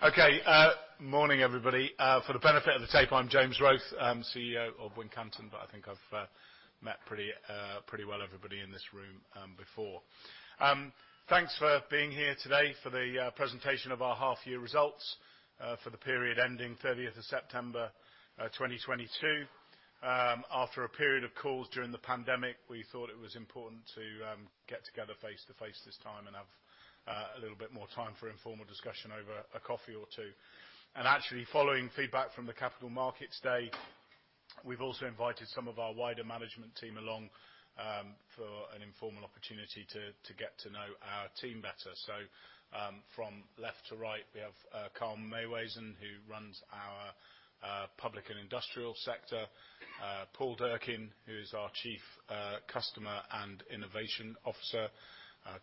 Okay, morning, everybody. For the benefit of the tape, I'm James Wroath, I'm CEO of Wincanton, but I think I've met pretty well everybody in this room before. Thanks for being here today for the presentation of our half-year results for the period ending 30 of September 2022. After a period of calls during the pandemic, we thought it was important to get together face-to-face this time and have a little bit more time for informal discussion over a coffee or two. Actually, following feedback from the Capital Markets Day, we've also invited some of our wider management team along for an informal opportunity to get to know our team better. From left to right, we have Carl Meuwissen, who runs our public and industrial sector, Paul Durkin, who is our Chief Customer and Innovation Officer,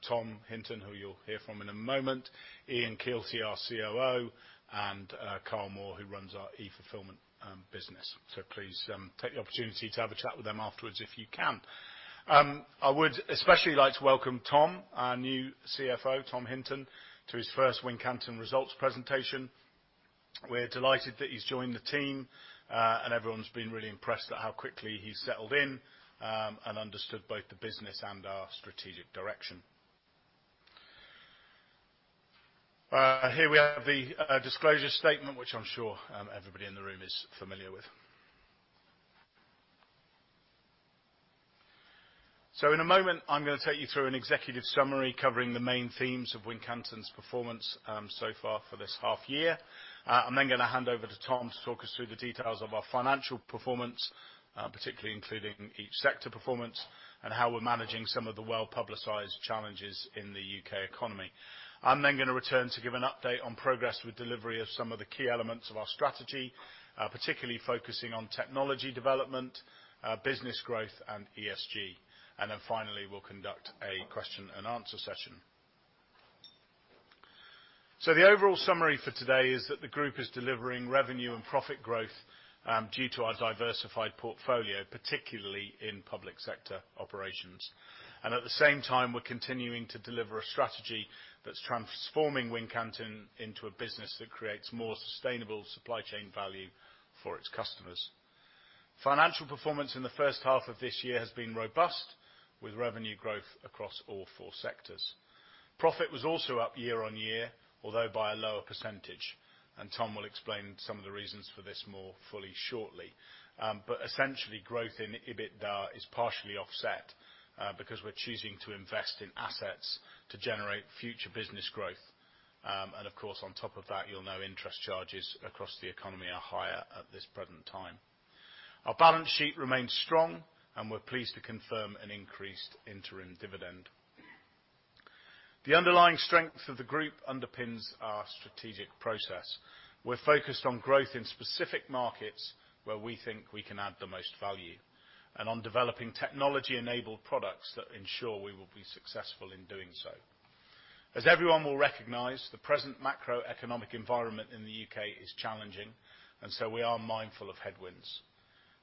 Tom Hinton, who you'll hear from in a moment, Ian Keilty, our COO, and Carl Moore, who runs our eFulfilment business. Please take the opportunity to have a chat with them afterwards if you can. I would especially like to welcome Tom, our new CFO, Tom Hinton, to his first Wincanton results presentation. We're delighted that he's joined the team, and everyone's been really impressed at how quickly he settled in and understood both the business and our strategic direction. Here we have the disclosure statement, which I'm sure everybody in the room is familiar with. In a moment, I'm gonna take you through an executive summary covering the main themes of Wincanton's performance, so far for this half-year. I'm then gonna hand over to Tom to talk us through the details of our financial performance, particularly including each sector performance and how we're managing some of the well-publicized challenges in the U.K. economy. I'm then gonna return to give an update on progress with delivery of some of the key elements of our strategy, particularly focusing on technology development, business growth, and ESG. Then finally, we'll conduct a question and answer session. The overall summary for today is that the group is delivering revenue and profit growth, due to our diversified portfolio, particularly in public sector operations. At the same time, we're continuing to deliver a strategy that's transforming Wincanton into a business that creates more sustainable supply chain value for its customers. Financial performance in the first half of this year has been robust, with revenue growth across all four sectors. Profit was also up year-over-year, although by a lower percentage, and Tom will explain some of the reasons for this more fully shortly. Essentially, growth in EBITDA is partially offset because we're choosing to invest in assets to generate future business growth. Of course, on top of that, you'll know interest charges across the economy are higher at this present time. Our balance sheet remains strong, and we're pleased to confirm an increased interim dividend. The underlying strength of the group underpins our strategic process. We're focused on growth in specific markets where we think we can add the most value, and on developing technology-enabled products that ensure we will be successful in doing so. As everyone will recognize, the present macroeconomic environment in the U.K. is challenging, and so we are mindful of headwinds.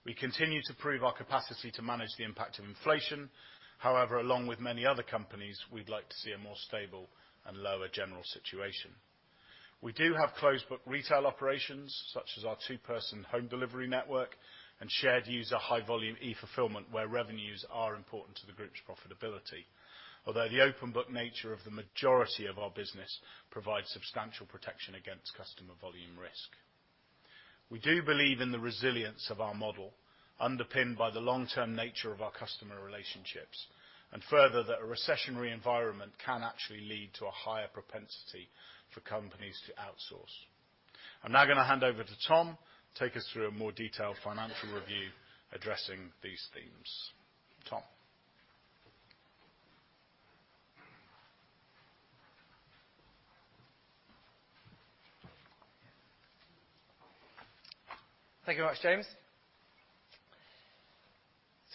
We continue to prove our capacity to manage the impact of inflation. However, along with many other companies, we'd like to see a more stable and lower general situation. We do have closed book retail operations, such as our two-person home delivery network and shared user high volume eFulfillment, where revenues are important to the group's profitability. Although the open book nature of the majority of our business provides substantial protection against customer volume risk. We do believe in the resilience of our model, underpinned by the long-term nature of our customer relationships, and further, that a recessionary environment can actually lead to a higher propensity for companies to outsource. I'm now gonna hand over to Tom to take us through a more detailed financial review addressing these themes. Tom. Thank you much, James.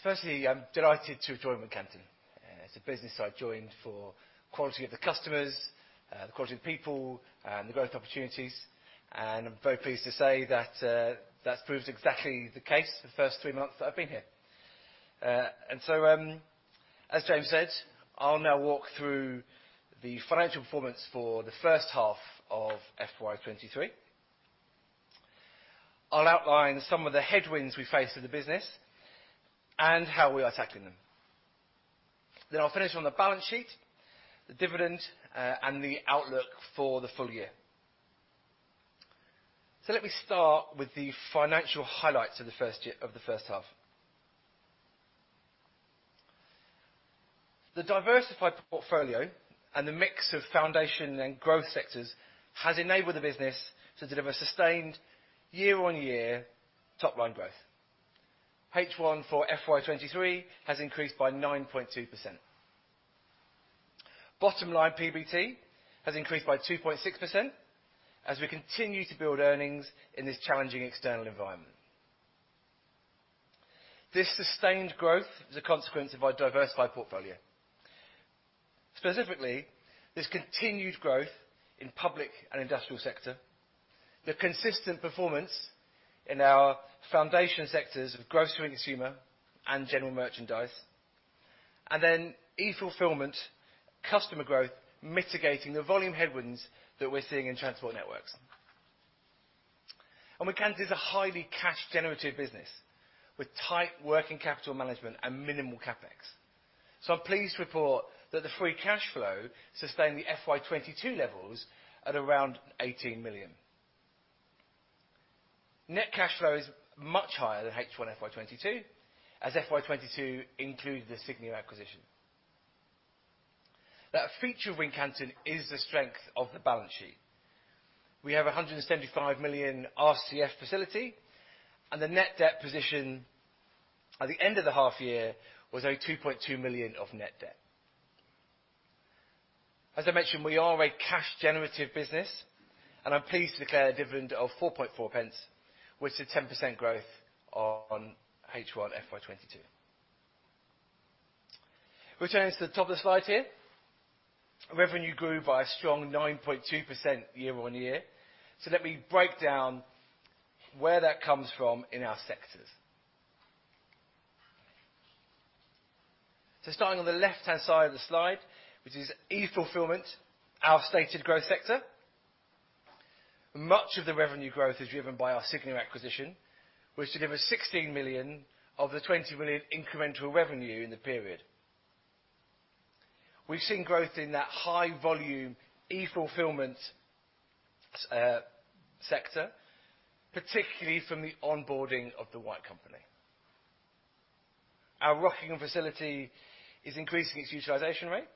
Firstly, I'm delighted to join Wincanton. It's a business I joined for quality of the customers, the quality of the people, and the growth opportunities, and I'm very pleased to say that's proved exactly the case for the first three months that I've been here. As James said, I'll now walk through the financial performance for the first half of FY23. I'll outline some of the headwinds we face in the business and how we are tackling them. Then I'll finish on the balance sheet, the dividend, and the outlook for the full year. Let me start with the financial highlights of the first half. The diversified portfolio and the mix of foundation and growth sectors has enabled the business to deliver sustained year-on-year top line growth. H1 for FY23 has increased by 9.2%. Bottom line PBT has increased by 2.6% as we continue to build earnings in this challenging external environment. This sustained growth is a consequence of our diversified portfolio. Specifically, this continued growth in public and industrial sector, the consistent performance in our foundation sectors of grocery consumer and general merchandise. eFulfillment customer growth mitigating the volume headwinds that we're seeing in transport networks. Wincanton is a highly cash generative business with tight working capital management and minimal CapEx. I'm pleased to report that the free cash flow sustained the FY22 levels at around 18 million. Net cashflow is much higher than H1 FY22, as FY22 included the. acquisition. Now a feature of Wincanton is the strength of the balance sheet. We have a 175 million RCF facility, and the net debt position at the end of the half year was only 2.2 million of net debt. As I mentioned, we are a cash generative business, and I'm pleased to declare a dividend of 4.4 pence, which is a 10% growth on H1 FY22. Returning to the top of the slide here, revenue grew by a strong 9.2% year-on-year. Let me break down where that comes from in our sectors. Starting on the left-hand side of the slide, which is e-fulfillment, our stated growth sector. Much of the revenue growth is driven by our Cygnia acquisition, which delivered 16 million of the 20 million incremental revenue in the period. We've seen growth in that high volume e-fulfillment sector, particularly from the onboarding of The White Company. Our Rockingham facility is increasing its utilization rate,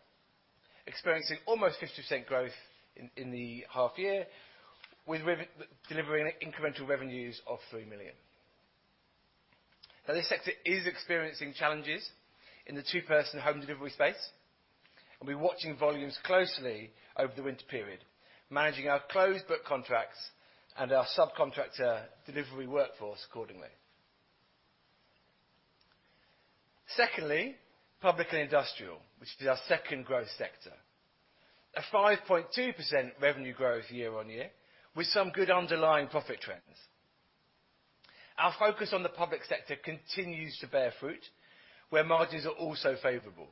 experiencing almost 50% growth in the half year with delivering incremental revenues of 3 million. Now this sector is experiencing challenges in the two-person home delivery space, and we're watching volumes closely over the winter period, managing our closed book contracts and our subcontractor delivery workforce accordingly. Secondly, public and industrial, which is our second growth sector. A 5.2% revenue growth year-on-year with some good underlying profit trends. Our focus on the public sector continues to bear fruit, where margins are also favorable.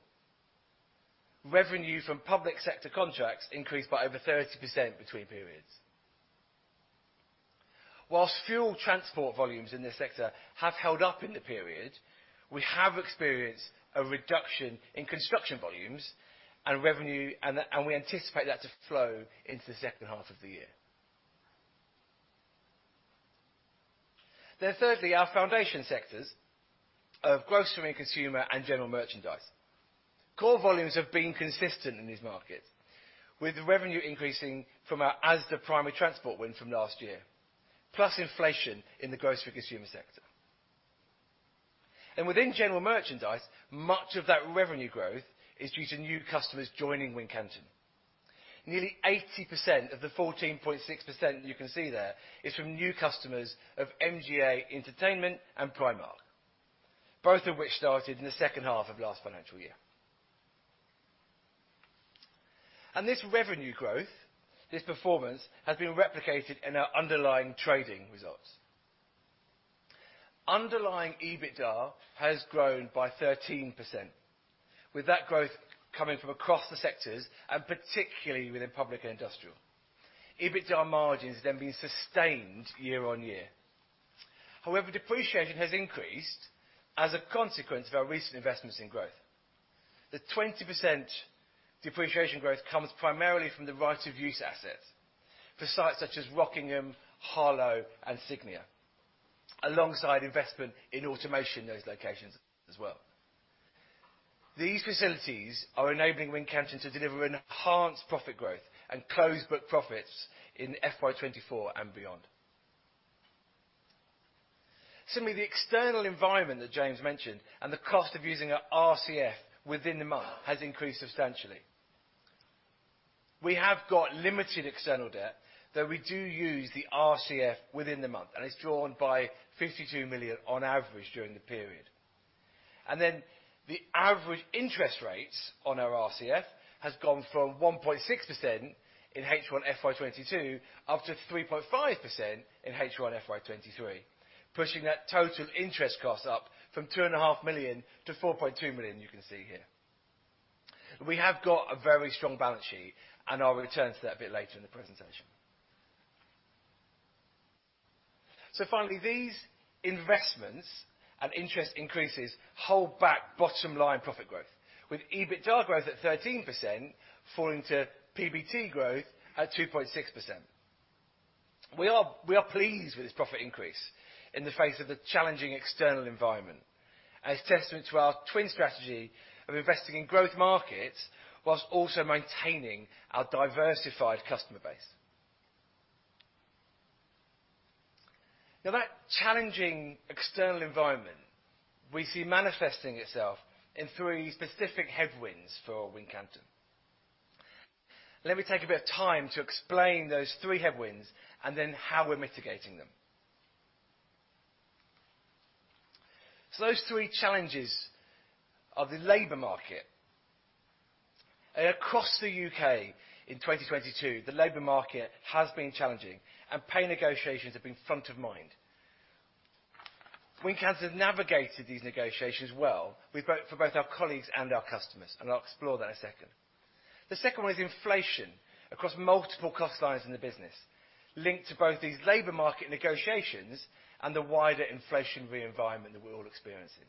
Revenue from public sector contracts increased by over 30% between periods. While fuel transport volumes in this sector have held up in the period, we have experienced a reduction in construction volumes and revenue and we anticipate that to flow into the second half of the year. Thirdly, our foundation sectors of grocery and consumer and general merchandise. Core volumes have been consistent in this market, with revenue increasing from our Asda primary transport win from last year, plus inflation in the grocery consumer sector. Within general merchandise, much of that revenue growth is due to new customers joining Wincanton. Nearly 80% of the 14.6% you can see there is from new customers of MGA Entertainment and Primark, both of which started in the second half of last financial year. This revenue growth, this performance, has been replicated in our underlying trading results. Underlying EBITDA has grown by 13%, with that growth coming from across the sectors and particularly within public and industrial. EBITDA margins then being sustained year-on-year. However, depreciation has increased as a consequence of our recent investments in growth. The 20% depreciation growth comes primarily from the right-of-use assets for sites such as Rockingham, Harlow and Cygnia, alongside investment in automation in those locations as well. These facilities are enabling Wincanton to deliver an enhanced profit growth and closed book profits in FY 2024 and beyond. Similarly, the external environment that James mentioned and the cost of using our RCF within the month has increased substantially. We have got limited external debt, though we do use the RCF within the month. It's drawn by 52 million on average during the period. The average interest rates on our RCF have gone from 1.6% in H1 FY22 up to 3.5% in H1 FY23, pushing that total interest cost up from 2.5 million to 4.2 million you can see here. We have got a very strong balance sheet, and I'll return to that a bit later in the presentation. Finally, these investments and interest increases hold back bottom line profit growth, with EBITDA growth at 13% falling to PBT growth at 2.6%. We are pleased with this profit increase in the face of the challenging external environment as testament to our twin strategy of investing in growth markets while also maintaining our diversified customer base. Now that challenging external environment we see manifesting itself in three specific headwinds for Wincanton. Let me take a bit of time to explain those three headwinds and then how we're mitigating them. Those three challenges are the labour market. Across the UK in 2022, the labour market has been challenging and pay negotiations have been front of mind. Wincanton navigated these negotiations well. We for both our colleagues and our customers, and I'll explore that in a second. The second one is inflation across multiple cost lines in the business, linked to both these labour market negotiations and the wider inflationary environment that we're all experiencing.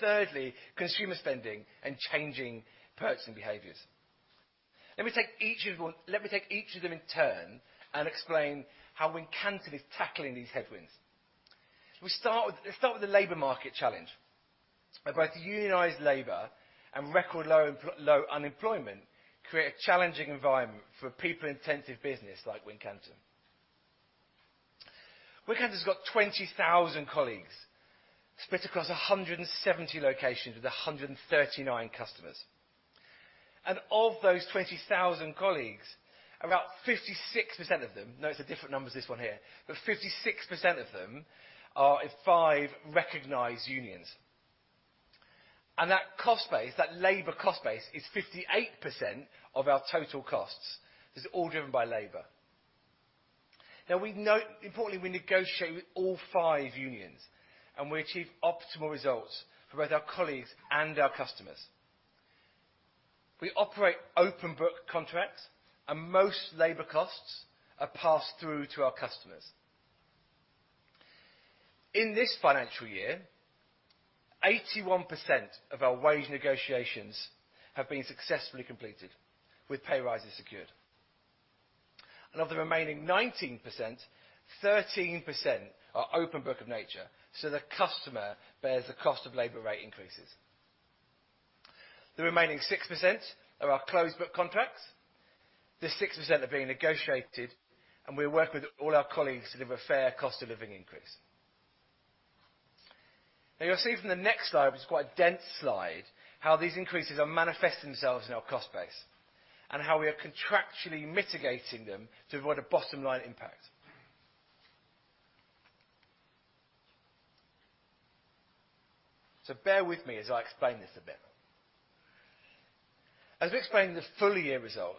Thirdly, consumer spending and changing purchasing behaviors. Let me take each of them in turn and explain how Wincanton is tackling these headwinds. Let's start with the labour market challenge. As both unionized labour and record low unemployment create a challenging environment for a people-intensive business like Wincanton. Wincanton's got 20,000 colleagues split across 170 locations with 139 customers. Of those 20,000 colleagues, about 56% of them, note the different numbers this one here, but 56% of them are in 5 recognized unions. That cost base, that labor cost base, is 58% of our total costs. This is all driven by labor. Now we note, importantly, we negotiate with all 5 unions, and we achieve optimal results for both our colleagues and our customers. We operate open book contracts, and most labor costs are passed through to our customers. In this financial year, 81% of our wage negotiations have been successfully completed with pay rises secured. Of the remaining 19%, 13% are open book in nature, so the customer bears the cost of labor rate increases. The remaining 6% are our closed book contracts. The 6% are being negotiated, and we work with all our colleagues to give a fair cost of living increase. Now you'll see from the next slide, which is quite a dense slide, how these increases are manifesting themselves in our cost base, and how we are contractually mitigating them to avoid a bottom-line impact. Bear with me as I explain this a bit. As we explained in the full-year result,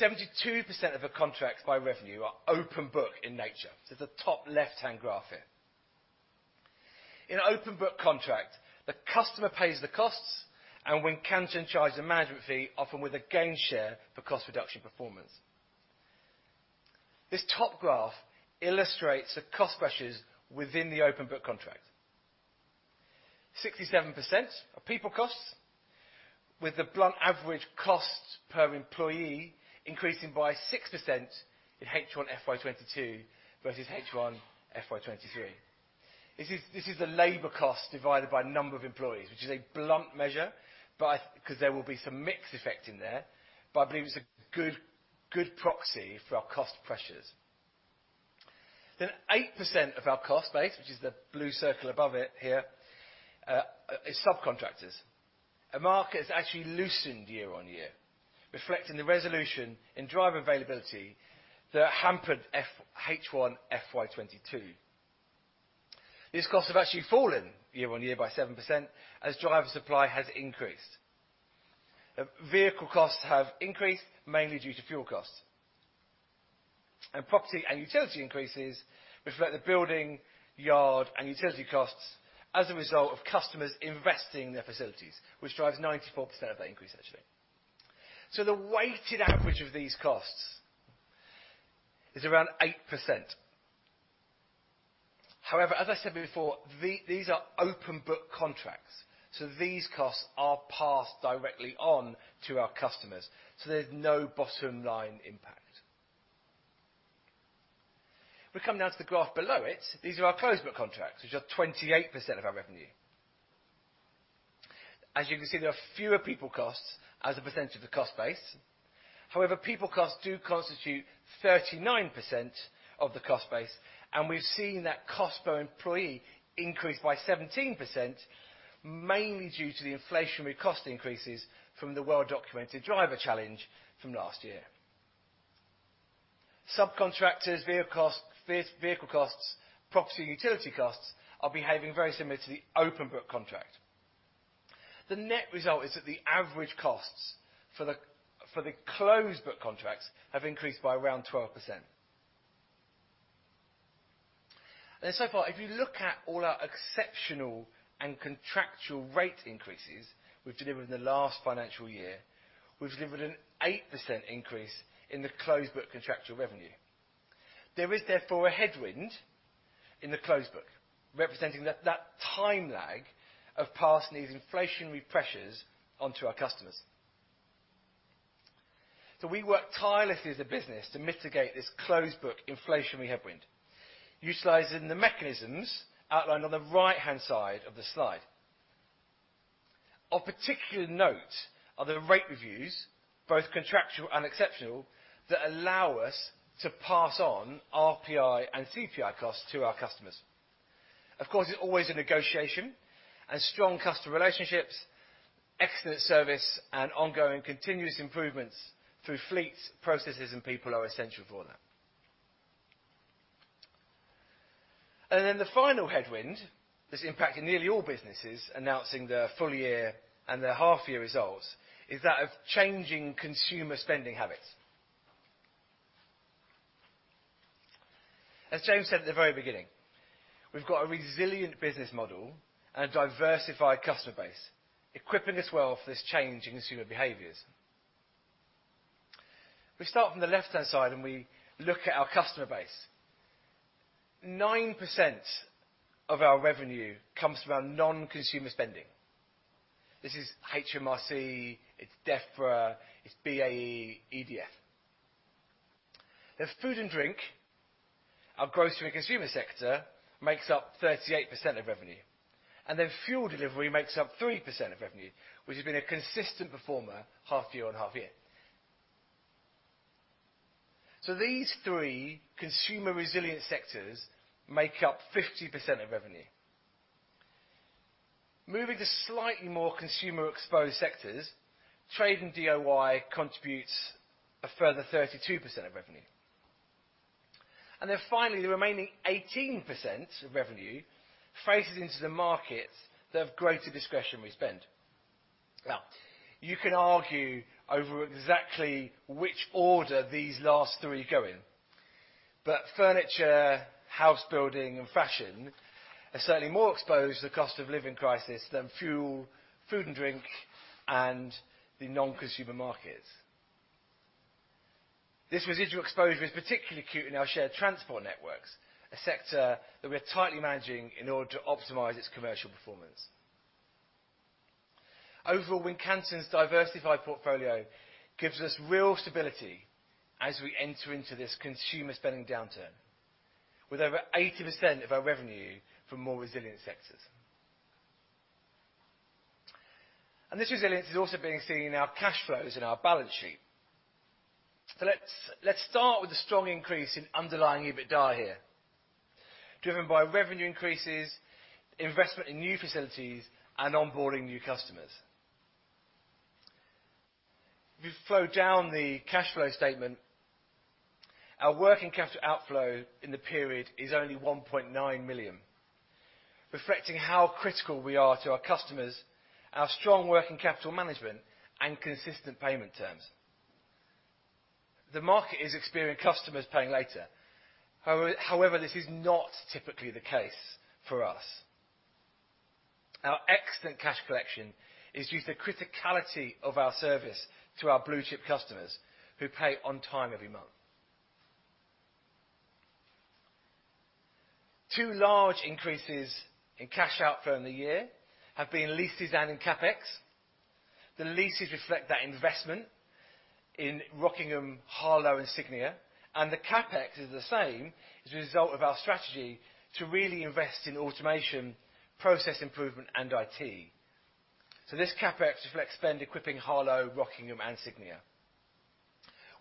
72% of the contracts by revenue are open book in nature, so the top left-hand graph here. In an open-book contract, the customer pays the costs, and Wincanton charges a management fee, often with a gain share for cost reduction performance. This top graph illustrates the cost pressures within the open book contract. 67% are people costs, with the blunt average cost per employee increasing by 6% in H1 FY22 versus H1 FY23. This is the labor cost divided by number of employees, which is a blunt measure, but 'cause there will be some mix effect in there, but I believe it's a good proxy for our cost pressures. Then 8% of our cost base, which is the blue circle above it here, is subcontractors. The market has actually loosened year-over-year, reflecting the resolution in driver availability that hampered H1 FY22. These costs have actually fallen year-over-year by 7% as driver supply has increased. Vehicle costs have increased mainly due to fuel costs. Property and utility increases reflect the building, yard, and utility costs as a result of customers investing in their facilities, which drives 94% of that increase, actually. The weighted average of these costs is around 8%. However, as I said before, these are open-book contracts, so these costs are passed directly on to our customers, so there's no bottom line impact. We come now to the graph below it. These are our closed-book contracts, which are 28% of our revenue. As you can see, there are fewer people costs as a percent of the cost base. However, people costs do constitute 39% of the cost base, and we've seen that cost per employee increase by 17%, mainly due to the inflationary cost increases from the well-documented driver challenge from last year. Subcontractors, vehicle costs, property and utility costs are behaving very similar to the open book contract. The net result is that the average costs for the closed book contracts have increased by around 12%. So far, if you look at all our exceptional and contractual rate increases we've delivered in the last financial year, we've delivered an 8% increase in the closed book contractual revenue. There is therefore a headwind in the closed book, representing that time lag of passing these inflationary pressures onto our customers. We work tirelessly as a business to mitigate this closed book inflationary headwind, utilizing the mechanisms outlined on the right-hand side of the slide. Of particular note are the rate reviews, both contractual and exceptional, that allow us to pass on RPI and CPI costs to our customers. Of course, it's always a negotiation, and strong customer relationships, excellent service, and ongoing continuous improvements through fleets, processes, and people are essential for that. Then the final headwind that's impacting nearly all businesses announcing their full year and their half-year results is that of changing consumer spending habits. As James said at the very beginning, we've got a resilient business model and a diversified customer base, equipping us well for this change in consumer behaviors. We start from the left-hand side, and we look at our customer base. 9% of our revenue comes from our non-consumer spending. This is HMRC, it's Defra, it's BAE, EDF. There's food and drink. Our grocery consumer sector makes up 38% of revenue, and then fuel delivery makes up 3% of revenue, which has been a consistent performer half year on half year. These three consumer resilient sectors make up 50% of revenue. Moving to slightly more consumer exposed sectors, trade and DIY contributes a further 32% of revenue. Finally, the remaining 18% of revenue phases into the markets that have greater discretionary spend. Now, you can argue over exactly which order these last three go in, but furniture, house building, and fashion are certainly more exposed to the cost of living crisis than fuel, food and drink, and the non-consumer markets. This residual exposure is particularly acute in our shared transport networks, a sector that we are tightly managing in order to optimize its commercial performance. Overall, Wincanton's diversified portfolio gives us real stability as we enter into this consumer spending downturn with over 80% of our revenue from more resilient sectors. This resilience is also being seen in our cash flows and our balance sheet. Let's start with a strong increase in underlying EBITDA here, driven by revenue increases, investment in new facilities, and onboarding new customers. If you flow down the cash flow statement, our working capital outflow in the period is only 1.9 million, reflecting how critical we are to our customers, our strong working capital management, and consistent payment terms. The market is experiencing customers paying later. However, this is not typically the case for us. Our excellent cash collection is due to the criticality of our service to our blue-chip customers who pay on time every month. Two large increases in cash outflow in the year have been leases and in CapEx. The leases reflect that investment in Rockingham, Harlow, and Cygnia, and the CapEx is the same as a result of our strategy to really invest in automation, process improvement, and IT. This CapEx reflects spend equipping Harlow, Rockingham, and Cygnia.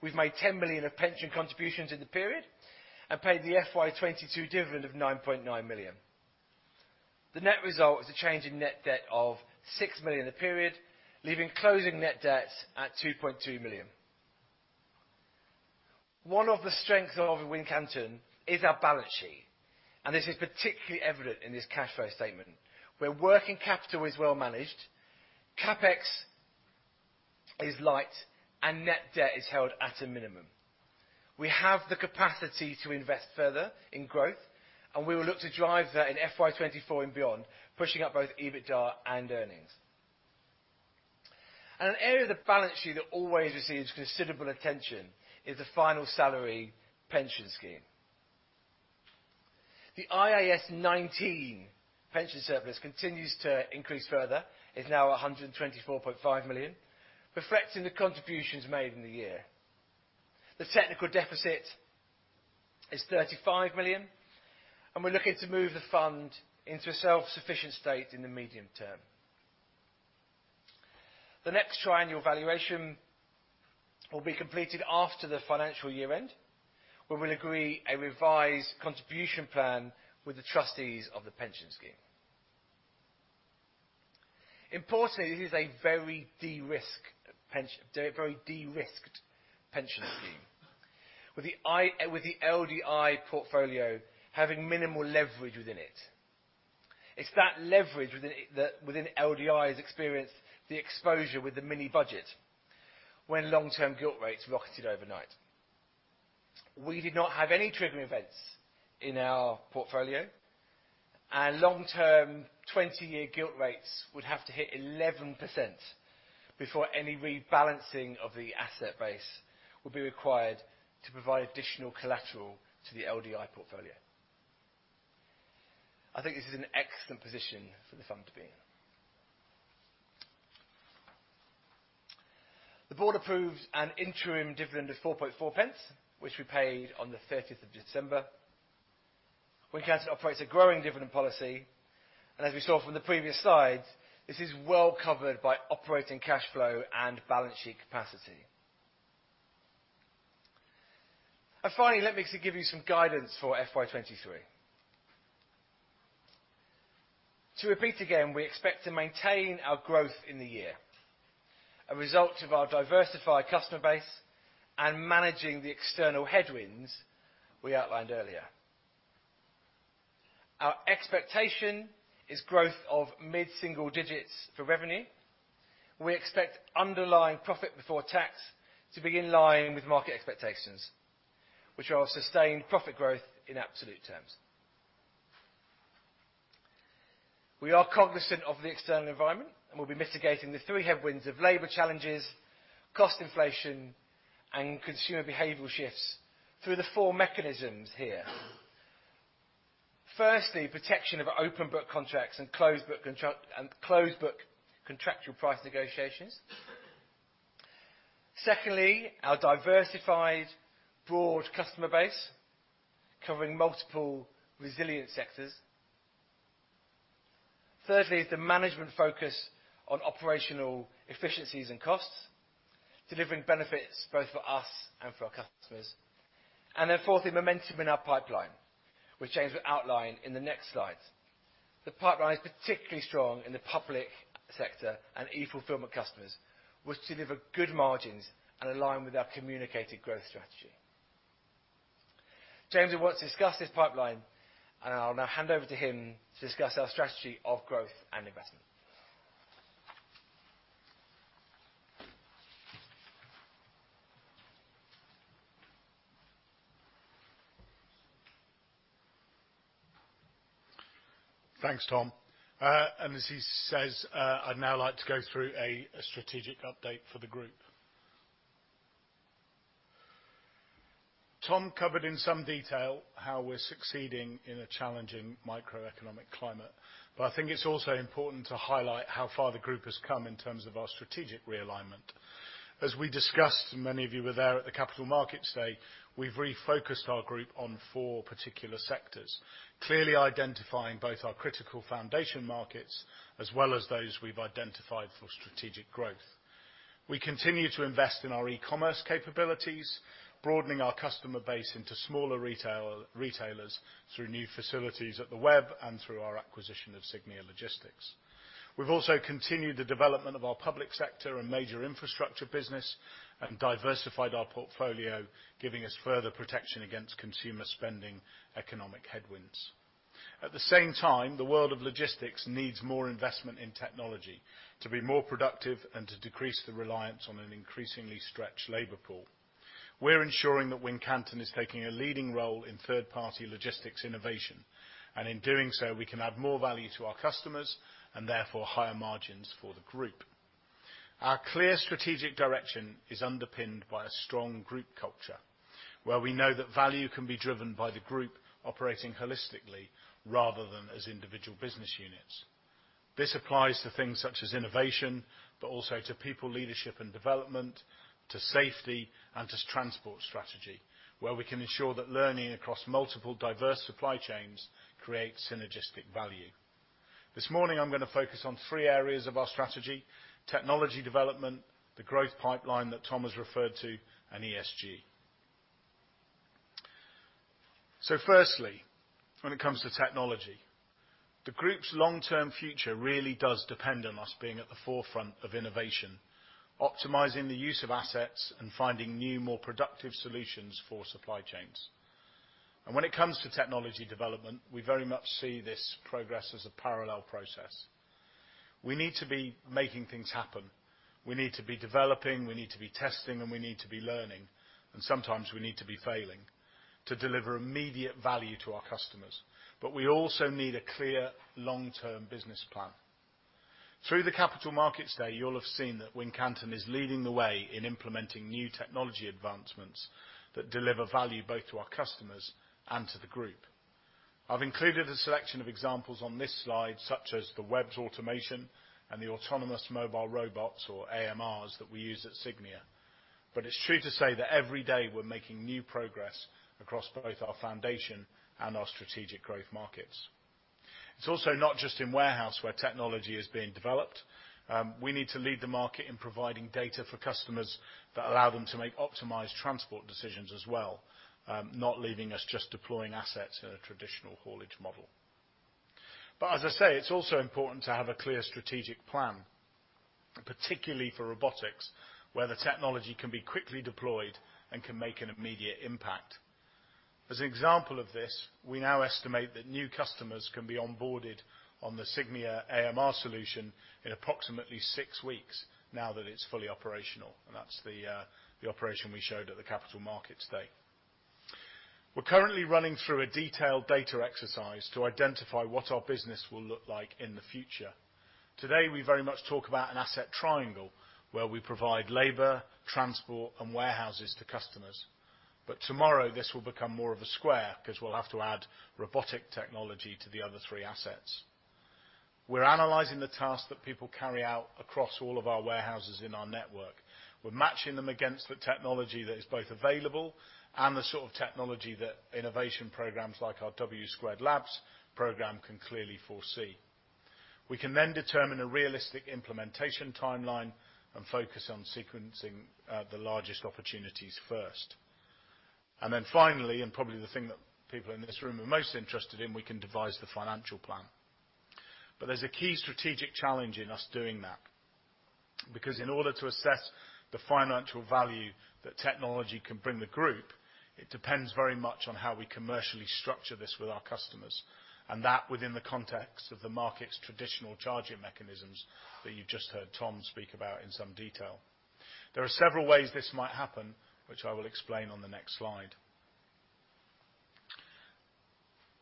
We've made 10 million of pension contributions in the period and paid the FY22 dividend of 9.9 million. The net result is a change in net debt of 6 million in the period, leaving closing net debt at 2.2 million. One of the strengths of Wincanton is our balance sheet, and this is particularly evident in this cash flow statement, where working capital is well managed, CapEx is light, and net debt is held at a minimum. We have the capacity to invest further in growth, and we will look to drive that in FY24 and beyond, pushing up both EBITDA and earnings. An area of the balance sheet that always receives considerable attention is the final salary pension scheme. The IAS 19 pension surplus continues to increase further, is now 124.5 million, reflecting the contributions made in the year. The technical deficit is 35 million, and we're looking to move the fund into a self-sufficient state in the medium term. The next triennial valuation will be completed after the financial year-end, where we'll agree a revised contribution plan with the trustees of the pension scheme. Importantly, this is a very de-risked pension scheme with the LDI portfolio having minimal leverage within it. It's that leverage within LDI that experienced the exposure with the mini budget when long-term gilt rates rocketed overnight. We did not have any triggering events in our portfolio, and long-term 20-year gilt rates would have to hit 11% before any rebalancing of the asset base would be required to provide additional collateral to the LDI portfolio. I think this is an excellent position for the fund to be in. The board approved an interim dividend of 0.044, which we paid on the thirteenth of December. Wincanton operates a growing dividend policy, and as we saw from the previous slides, this is well-covered by operating cash flow and balance sheet capacity. Finally, let me give you some guidance for FY23. To repeat again, we expect to maintain our growth in the year, a result of our diversified customer base and managing the external headwinds we outlined earlier. Our expectation is growth of mid-single digits for revenue. We expect underlying profit before tax to be in line with market expectations, which are sustained profit growth in absolute terms. We are cognizant of the external environment, and we'll be mitigating the three headwinds of labor challenges, cost inflation, and consumer behavioral shifts through the four mechanisms here. Firstly, protection of our open book contracts and closed book contractual price negotiations. Secondly, our diversified broad customer base covering multiple resilient sectors. Thirdly, is the management focus on operational efficiencies and costs, delivering benefits both for us and for our customers. fourthly, momentum in our pipeline, which James will outline in the next slides. The pipeline is particularly strong in the public sector and e-fulfillment customers, which deliver good margins and align with our communicated growth strategy. James will want to discuss this pipeline, and I'll now hand over to him to discuss our strategy of growth and investment. Thanks, Tom. As he says, I'd now like to go through a strategic update for the group. Tom covered in some detail how we're succeeding in a challenging macroeconomic climate, but I think it's also important to highlight how far the group has come in terms of our strategic realignment. As we discussed, and many of you were there at the Capital Markets Day, we've refocused our group on four particular sectors, clearly identifying both our critical foundation markets, as well as those we've identified for strategic growth. We continue to invest in our e-commerce capabilities, broadening our customer base into smaller retailers through new facilities at The Webb and through our acquisition of Cygnia Logistics. We've also continued the development of our public sector and major infrastructure business and diversified our portfolio, giving us further protection against consumer spending and economic headwinds. At the same time, the world of logistics needs more investment in technology to be more productive and to decrease the reliance on an increasingly stretched labor pool. We're ensuring that Wincanton is taking a leading role in third party logistics innovation, and in doing so, we can add more value to our customers and therefore higher margins for the group. Our clear strategic direction is underpinned by a strong group culture, where we know that value can be driven by the group operating holistically rather than as individual business units. This applies to things such as innovation, but also to people leadership and development, to safety, and to transport strategy, where we can ensure that learning across multiple diverse supply chains creates synergistic value. This morning, I'm gonna focus on three areas of our strategy, technology development, the growth pipeline that Tom has referred to, and ESG. Firstly, when it comes to technology, the group's long-term future really does depend on us being at the forefront of innovation, optimizing the use of assets and finding new, more productive solutions for supply chains. When it comes to technology development, we very much see this progress as a parallel process. We need to be making things happen. We need to be developing, we need to be testing, and we need to be learning. Sometimes we need to be failing to deliver immediate value to our customers. We also need a clear long-term business plan. Through the Capital Markets Day, you'll have seen that Wincanton is leading the way in implementing new technology advancements that deliver value both to our customers and to the group. I've included a selection of examples on this slide, such as the Webb automation and the autonomous mobile robots or AMRs that we use at Cygnia. It's true to say that every day we're making new progress across both our foundation and our strategic growth markets. It's also not just in warehouse where technology is being developed. We need to lead the market in providing data for customers that allow them to make optimized transport decisions as well, not leaving us just deploying assets in a traditional haulage model. It's also important to have a clear strategic plan, particularly for robotics, where the technology can be quickly deployed and can make an immediate impact. As an example of this, we now estimate that new customers can be onboarded on the Cygnia AMR solution in approximately six weeks now that it's fully operational, and that's the operation we showed at the Capital Markets Day. We're currently running through a detailed data exercise to identify what our business will look like in the future. Today, we very much talk about an asset triangle, where we provide labor, transport, and warehouses to customers. Tomorrow, this will become more of a square 'cause we'll have to add robotic technology to the other three assets. We're analyzing the tasks that people carry out across all of our warehouses in our network. We're matching them against the technology that is both available and the sort of technology that innovation programs like our W² Labs program can clearly foresee. We can then determine a realistic implementation timeline and focus on sequencing the largest opportunities first. Then finally, and probably the thing that people in this room are most interested in, we can devise the financial plan. There's a key strategic challenge in us doing that because in order to assess the financial value that technology can bring the group, it depends very much on how we commercially structure this with our customers, and that within the context of the market's traditional charging mechanisms that you've just heard Tom speak about in some detail. There are several ways this might happen, which I will explain on the next slide.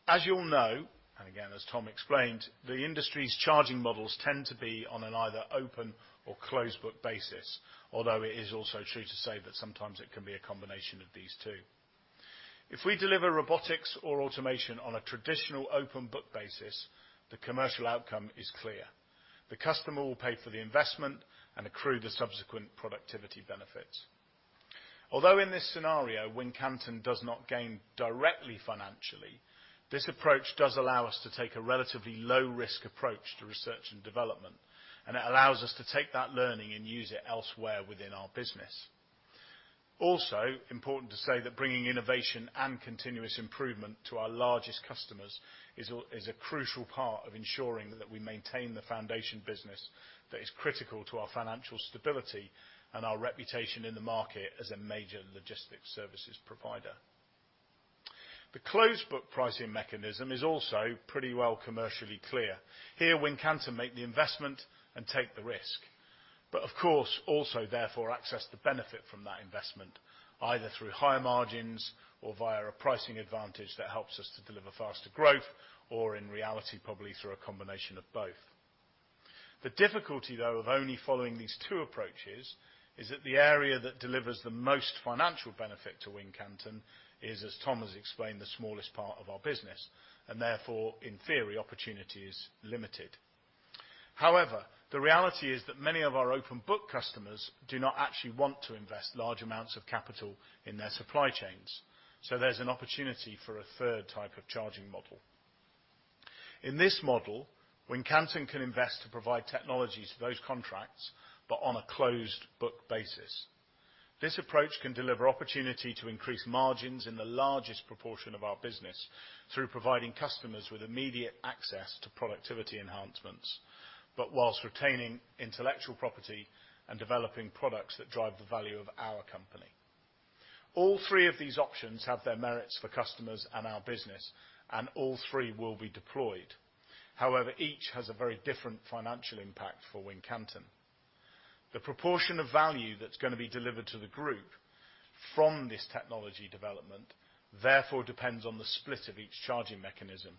As you'll know, and again, as Tom explained, the industry's charging models tend to be on an either open or closed book basis. Although it is also true to say that sometimes it can be a combination of these two. If we deliver robotics or automation on a traditional open book basis, the commercial outcome is clear. The customer will pay for the investment and accrue the subsequent productivity benefits. Although in this scenario, Wincanton does not gain directly financially, this approach does allow us to take a relatively low-risk approach to research and development, and it allows us to take that learning and use it elsewhere within our business. Also, important to say that bringing innovation and continuous improvement to our largest customers is a crucial part of ensuring that we maintain the foundation business that is critical to our financial stability and our reputation in the market as a major logistics services provider. The closed book pricing mechanism is also pretty well commercially clear. Here, Wincanton make the investment and take the risk, but of course, also therefore access the benefit from that investment, either through higher margins or via a pricing advantage that helps us to deliver faster growth, or in reality, probably through a combination of both. The difficulty, though, of only following these two approaches is that the area that delivers the most financial benefit to Wincanton is, as Tom has explained, the smallest part of our business, and therefore in theory, opportunity is limited. However, the reality is that many of our open book customers do not actually want to invest large amounts of capital in their supply chains. There's an opportunity for a third type of charging model. In this model, Wincanton can invest to provide technologies to those contracts, but on a closed book basis. This approach can deliver opportunity to increase margins in the largest proportion of our business through providing customers with immediate access to productivity enhancements, but while retaining intellectual property and developing products that drive the value of our company. All three of these options have their merits for customers and our business, and all three will be deployed. However, each has a very different financial impact for Wincanton. The proportion of value that's gonna be delivered to the group from this technology development, therefore depends on the split of each charging mechanism.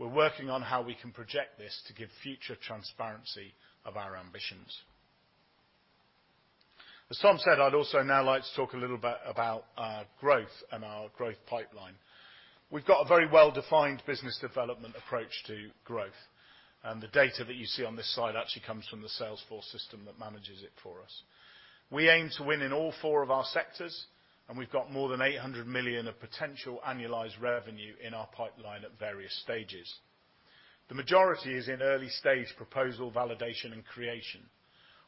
We're working on how we can project this to give future transparency of our ambitions. As Tom said, I'd also now like to talk a little bit about our growth and our growth pipeline. We've got a very well-defined business development approach to growth, and the data that you see on this slide actually comes from the Salesforce system that manages it for us. We aim to win in all four of our sectors, and we've got more than 800 million of potential annualized revenue in our pipeline at various stages. The majority is in early-stage proposal, validation, and creation.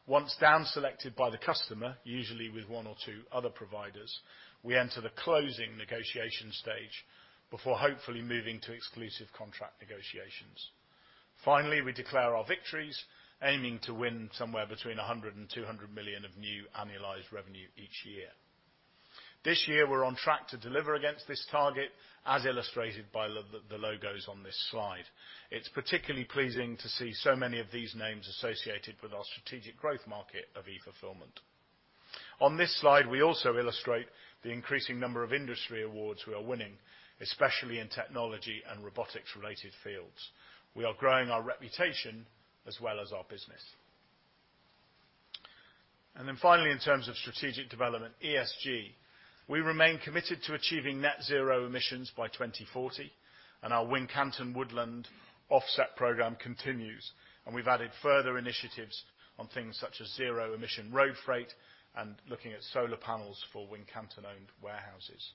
Once down-selected by the customer, usually with one or two other providers, we enter the closing negotiation stage before hopefully moving to exclusive contract negotiations. Finally, we declare our victories, aiming to win somewhere between 100 million and 200 million of new annualized revenue each year. This year, we're on track to deliver against this target, as illustrated by the logos on this slide. It's particularly pleasing to see so many of these names associated with our strategic growth market of e-fulfillment. On this slide, we also illustrate the increasing number of industry awards we are winning, especially in technology and robotics-related fields. We are growing our reputation as well as our business. Finally, in terms of strategic development, ESG. We remain committed to achieving net zero emissions by 2040, and our Wincanton Woodland Offset Program continues, and we've added further initiatives on things such as zero-emission road freight and looking at solar panels for Wincanton-owned warehouses.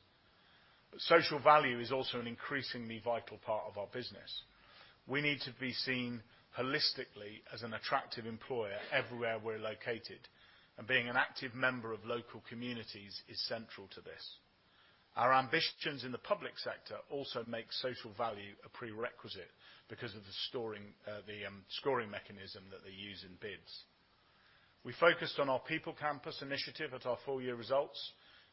Social value is also an increasingly vital part of our business. We need to be seen holistically as an attractive employer everywhere we're located, and being an active member of local communities is central to this. Our ambitions in the public sector also make social value a prerequisite because of the scoring mechanism that they use in bids. We focused on our People Campus initiative at our full year results,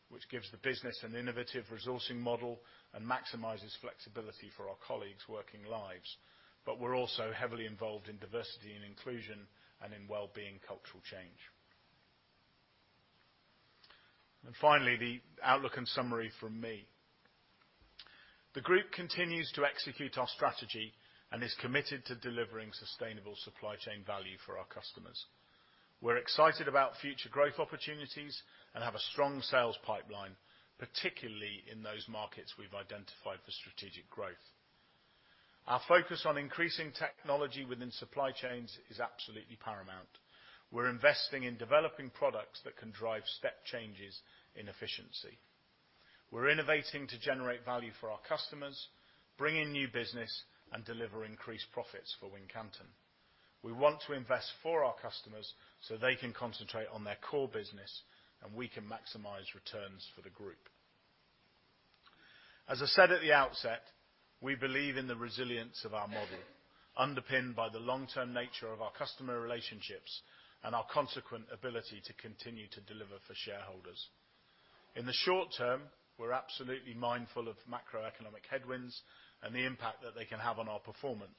which gives the business an innovative resourcing model and maximizes flexibility for our colleagues' working lives. We're also heavily involved in diversity and inclusion and in well-being cultural change. Finally, the outlook and summary from me. The group continues to execute our strategy and is committed to delivering sustainable supply chain value for our customers. We're excited about future growth opportunities and have a strong sales pipeline, particularly in those markets we've identified for strategic growth. Our focus on increasing technology within supply chains is absolutely paramount. We're investing in developing products that can drive step changes in efficiency. We're innovating to generate value for our customers, bring in new business, and deliver increased profits for Wincanton. We want to invest for our customers so they can concentrate on their core business, and we can maximize returns for the group. As I said at the outset, we believe in the resilience of our model, underpinned by the long-term nature of our customer relationships and our consequent ability to continue to deliver for shareholders. In the short term, we're absolutely mindful of macroeconomic headwinds and the impact that they can have on our performance.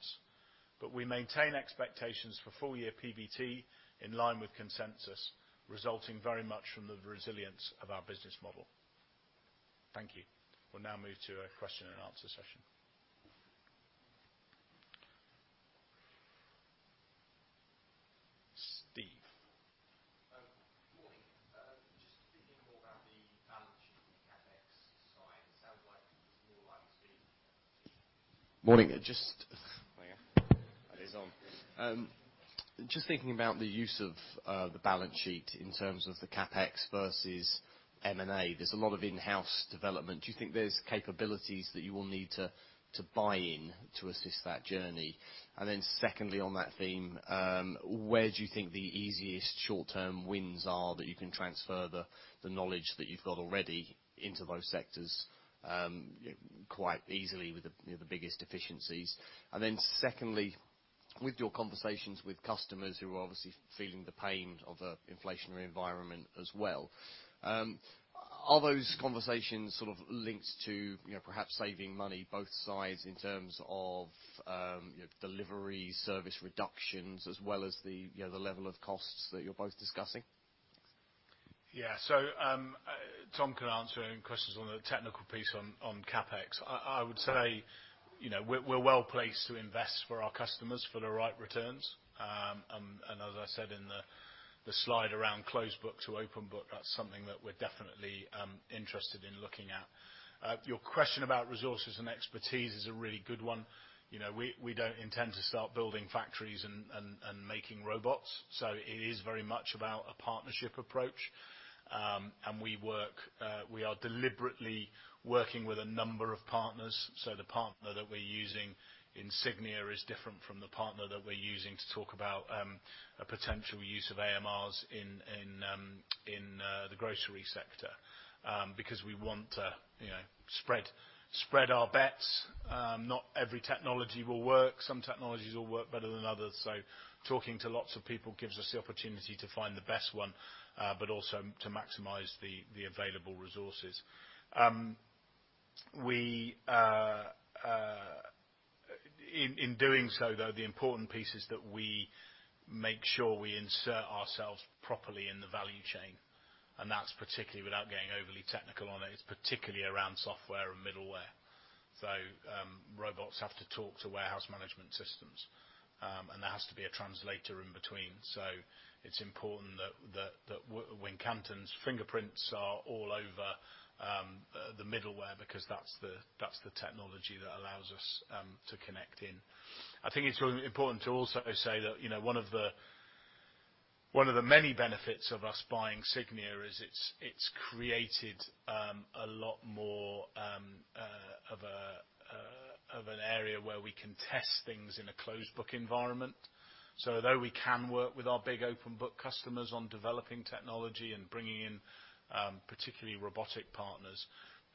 We maintain expectations for full-year PBT in line with consensus, resulting very much from the resilience of our business model. Thank you. We'll now move to a question and answer session. Steve. Morning. Just thinking about the use of the balance sheet in terms of the CapEx versus M&A. There's a lot of in-house development. Do you think there's capabilities that you will need to buy in to assist that journey? Then secondly, on that theme, where do you think the easiest short-term wins are that you can transfer the knowledge that you've got already into those sectors quite easily with the you know the biggest efficiencies? Secondly, with your conversations with customers who are obviously feeling the pain of an inflationary environment as well, are those conversations sort of linked to, you know, perhaps saving money both sides in terms of, you know, delivery, service reductions, as well as the, you know, the level of costs that you're both discussing? Tom can answer any questions on the technical piece on CapEx. I would say, you know, we're well-placed to invest for our customers for the right returns. As I said in the slide around closed book to open book, that's something that we're definitely interested in looking at. Your question about resources and expertise is a really good one. You know, we don't intend to start building factories and making robots. It is very much about a partnership approach. We are deliberately working with a number of partners. The partner that we're using in Cygnia is different from the partner that we're using to talk about a potential use of AMRs in the grocery sector because we want to, you know, spread our bets. Not every technology will work. Some technologies will work better than others. Talking to lots of people gives us the opportunity to find the best one but also to maximize the available resources. In doing so, though, the important piece is that we make sure we insert ourselves properly in the value chain, and that's particularly, without getting overly technical on it's particularly around software and middleware. Robots have to talk to warehouse management systems and there has to be a translator in between. It's important that Wincanton's fingerprints are all over the middleware because that's the technology that allows us to connect in. I think it's really important to also say that, you know, one of the many benefits of us buying Cygnia is it's created a lot more of an area where we can test things in a closed book environment. Though we can work with our big open book customers on developing technology and bringing in particularly robotic partners,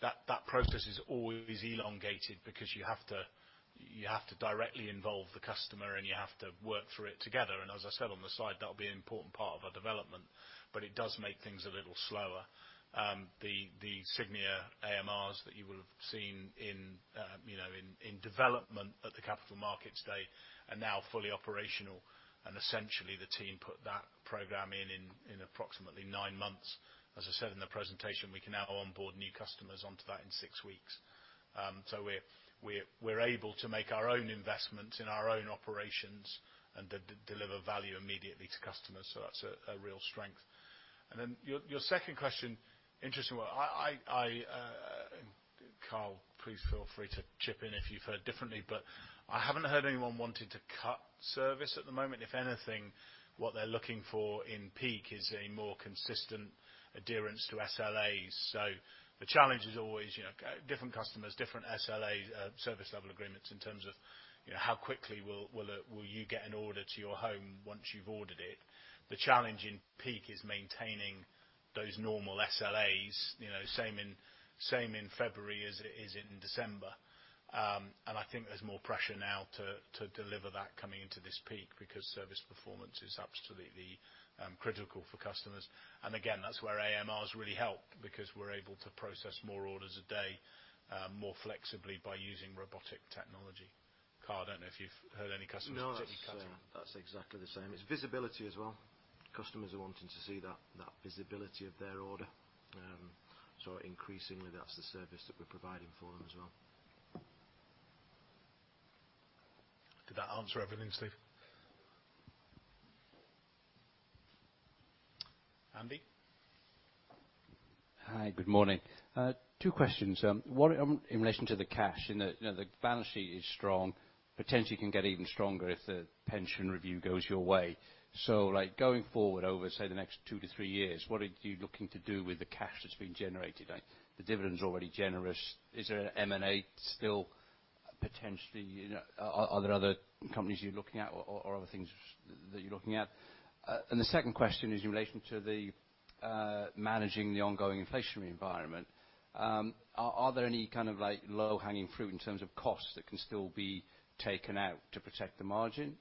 that process is always elongated because you have to directly involve the customer and you have to work through it together. As I said on the slide, that'll be an important part of our development, but it does make things a little slower. The Cygnia AMRs that you will have seen, you know, in development at the Capital Markets Day are now fully operational, and essentially the team put that program in approximately nine months. As I said in the presentation, we can now onboard new customers onto that in six weeks. We're able to make our own investments in our own operations and deliver value immediately to customers. That's a real strength. Then your second question, interesting one. Carl, please feel free to chip in if you've heard differently, but I haven't heard anyone wanting to cut service at the moment. If anything, what they're looking for in peak is a more consistent adherence to SLAs. The challenge is always, you know, different customers, different SLAs, service level agreements in terms of, you know, how quickly will you get an order to your home once you've ordered it. The challenge in peak is maintaining those normal SLAs, you know, same in February as in December. I think there's more pressure now to deliver that coming into this peak because service performance is absolutely critical for customers. Again, that's where AMRs really help because we're able to process more orders a day, more flexibly by using robotic technology. Carl, I don't know if you've heard any customers particularly cutting- No, that's exactly the same. It's visibility as well. Customers are wanting to see that visibility of their order. Increasingly that's the service that we're providing for them as well. Did that answer everything, Steve? Andy? Hi. Good morning. Two questions. What in relation to the cash, you know, the balance sheet is strong, potentially can get even stronger if the pension review goes your way. Like, going forward over, say, the next two to three years, what are you looking to do with the cash that's been generated? The dividend's already generous. Is there an M&A still? Potentially, you know, are there other companies you're looking at or other things that you're looking at? The second question is in relation to managing the ongoing inflationary environment. Are there any kind of like low-hanging fruit in terms of costs that can still be taken out to protect the margin?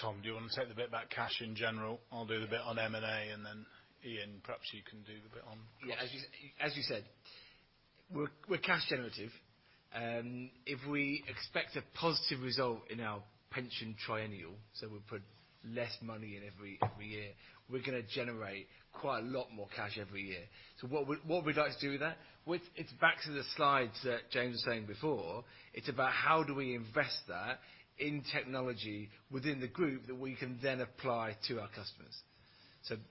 Tom, do you want to take the bit about cash in general? I'll do the bit on M&A, and then Ian, perhaps you can do the bit on costs. Yeah. As you said, we're cash generative. If we expect a positive result in our pension triennial, we put less money in every year, we're gonna generate quite a lot more cash every year. What we'd like to do with that, which it's back to the slides that James was saying before, it's about how do we invest that in technology within the group that we can then apply to our customers.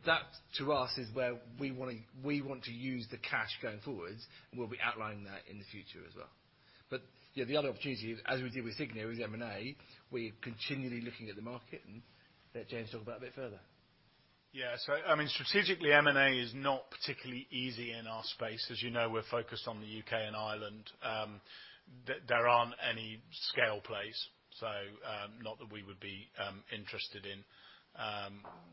That, to us, is where we want to use the cash going forwards, and we'll be outlining that in the future as well. Yeah, the other opportunity, as we did with Cygnia is M&A. We're continually looking at the market and let James talk about a bit further. Yeah. I mean, strategically, M&A is not particularly easy in our space. As you know, we're focused on the UK and Ireland. There aren't any scale plays, so not that we would be interested in.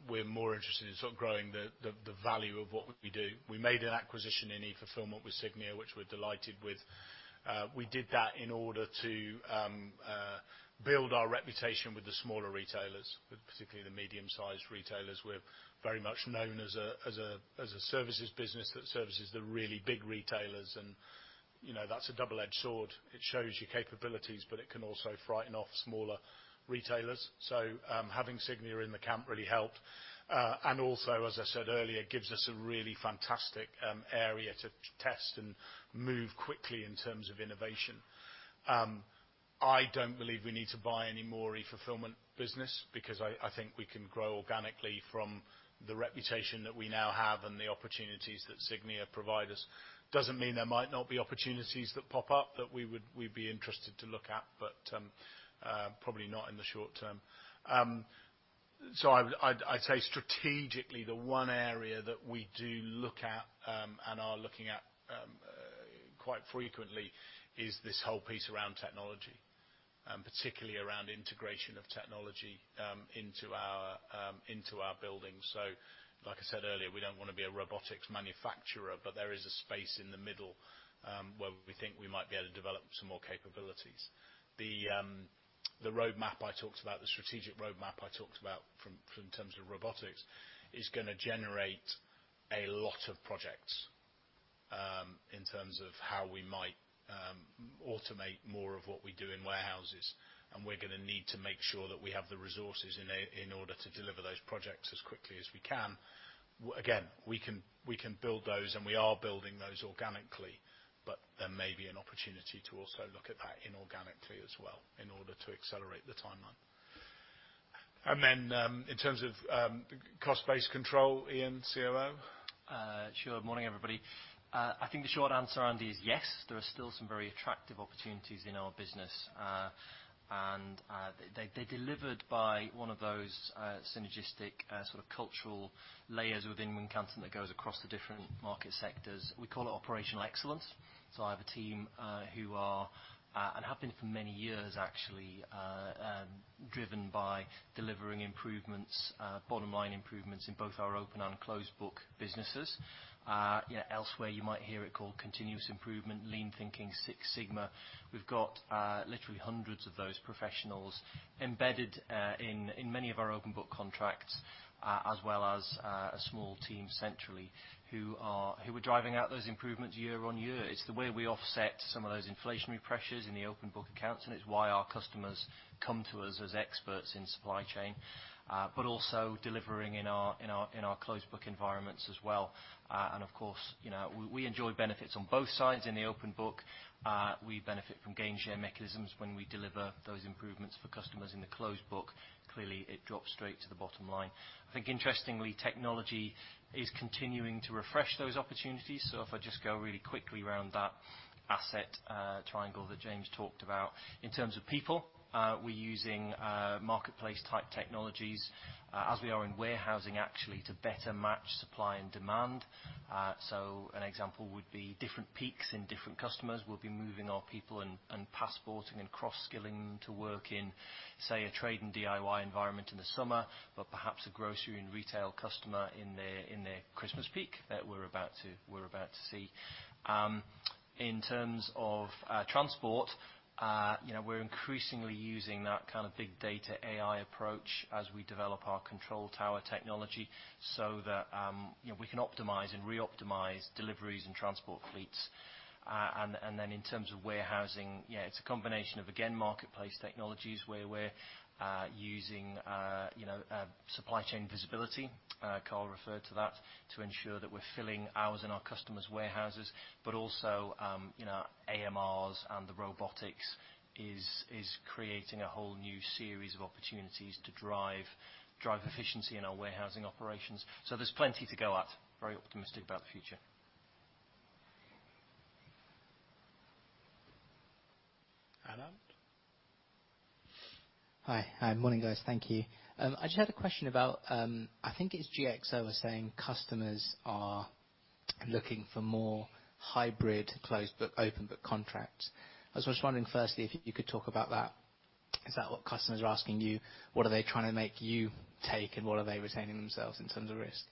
We're more interested in sort of growing the value of what we do. We made an acquisition in e-fulfillment with Cygnia, which we're delighted with. We did that in order to build our reputation with the smaller retailers, but particularly the medium-sized retailers. We're very much known as a services business that services the really big retailers and, you know, that's a double-edged sword. It shows your capabilities, but it can also frighten off smaller retailers. Having Cygnia in the camp really helped. as I said earlier, it gives us a really fantastic area to test and move quickly in terms of innovation. I don't believe we need to buy any more e-fulfillment business because I think we can grow organically from the reputation that we now have and the opportunities that Cygnia provide us. Doesn't mean there might not be opportunities that pop up that we'd be interested to look at, but probably not in the short term. I'd say strategically the one area that we do look at and are looking at quite frequently is this whole piece around technology, and particularly around integration of technology into our buildings. Like I said earlier, we don't wanna be a robotics manufacturer, but there is a space in the middle, where we think we might be able to develop some more capabilities. The roadmap I talked about, the strategic roadmap I talked about from in terms of robotics is gonna generate a lot of projects, in terms of how we might automate more of what we do in warehouses, and we're gonna need to make sure that we have the resources in order to deliver those projects as quickly as we can. Again, we can build those, and we are building those organically, but there may be an opportunity to also look at that inorganically as well in order to accelerate the timeline. In terms of cost-based control, Ian, COO? Sure. Morning, everybody. I think the short answer, Andy, is yes, there are still some very attractive opportunities in our business. They are delivered by one of those synergistic sort of cultural layers within Wincanton that goes across the different market sectors. We call it operational excellence. I have a team who are and have been for many years actually driven by delivering improvements bottom-line improvements in both our open and closed book businesses. Elsewhere you might hear it called continuous improvement, lean thinking, Six Sigma. We've got literally hundreds of those professionals embedded in many of our open book contracts as well as a small team centrally who are driving out those improvements year on year. It's the way we offset some of those inflationary pressures in the open book accounts, and it's why our customers come to us as experts in supply chain. Also delivering in our closed book environments as well. Of course, you know, we enjoy benefits on both sides. In the open book, we benefit from gain share mechanisms when we deliver those improvements for customers. In the closed book, clearly it drops straight to the bottom line. I think interestingly, technology is continuing to refresh those opportunities. If I just go really quickly around that asset triangle that James talked about. In terms of people, we're using marketplace-type technologies as we are in warehousing actually to better match supply and demand. An example would be different peaks in different customers. We'll be moving our people and passporting and cross-skilling them to work in, say, a trade and DIY environment in the summer, but perhaps a grocery and retail customer in their Christmas peak that we're about to see. In terms of transport, you know, we're increasingly using that kind of big data AI approach as we develop our control tower technology so that, you know, we can optimize and reoptimize deliveries and transport fleets. In terms of warehousing, yeah, it's a combination of, again, marketplace technologies where we're using you know, supply chain visibility. Carl referred to that, to ensure that we're filling ours and our customers' warehouses, but also you know AMRs and the robotics is creating a whole new series of opportunities to drive efficiency in our warehousing operations. There's plenty to go at. Very optimistic about the future. Alan? Hi. Hi, morning, guys. Thank you. I just had a question about, I think it's GXO was saying customers are looking for more hybrid closed book, open book contracts. I was just wondering, firstly, if you could talk about that. Is that what customers are asking you? What are they trying to make you take, and what are they retaining themselves in terms of risk?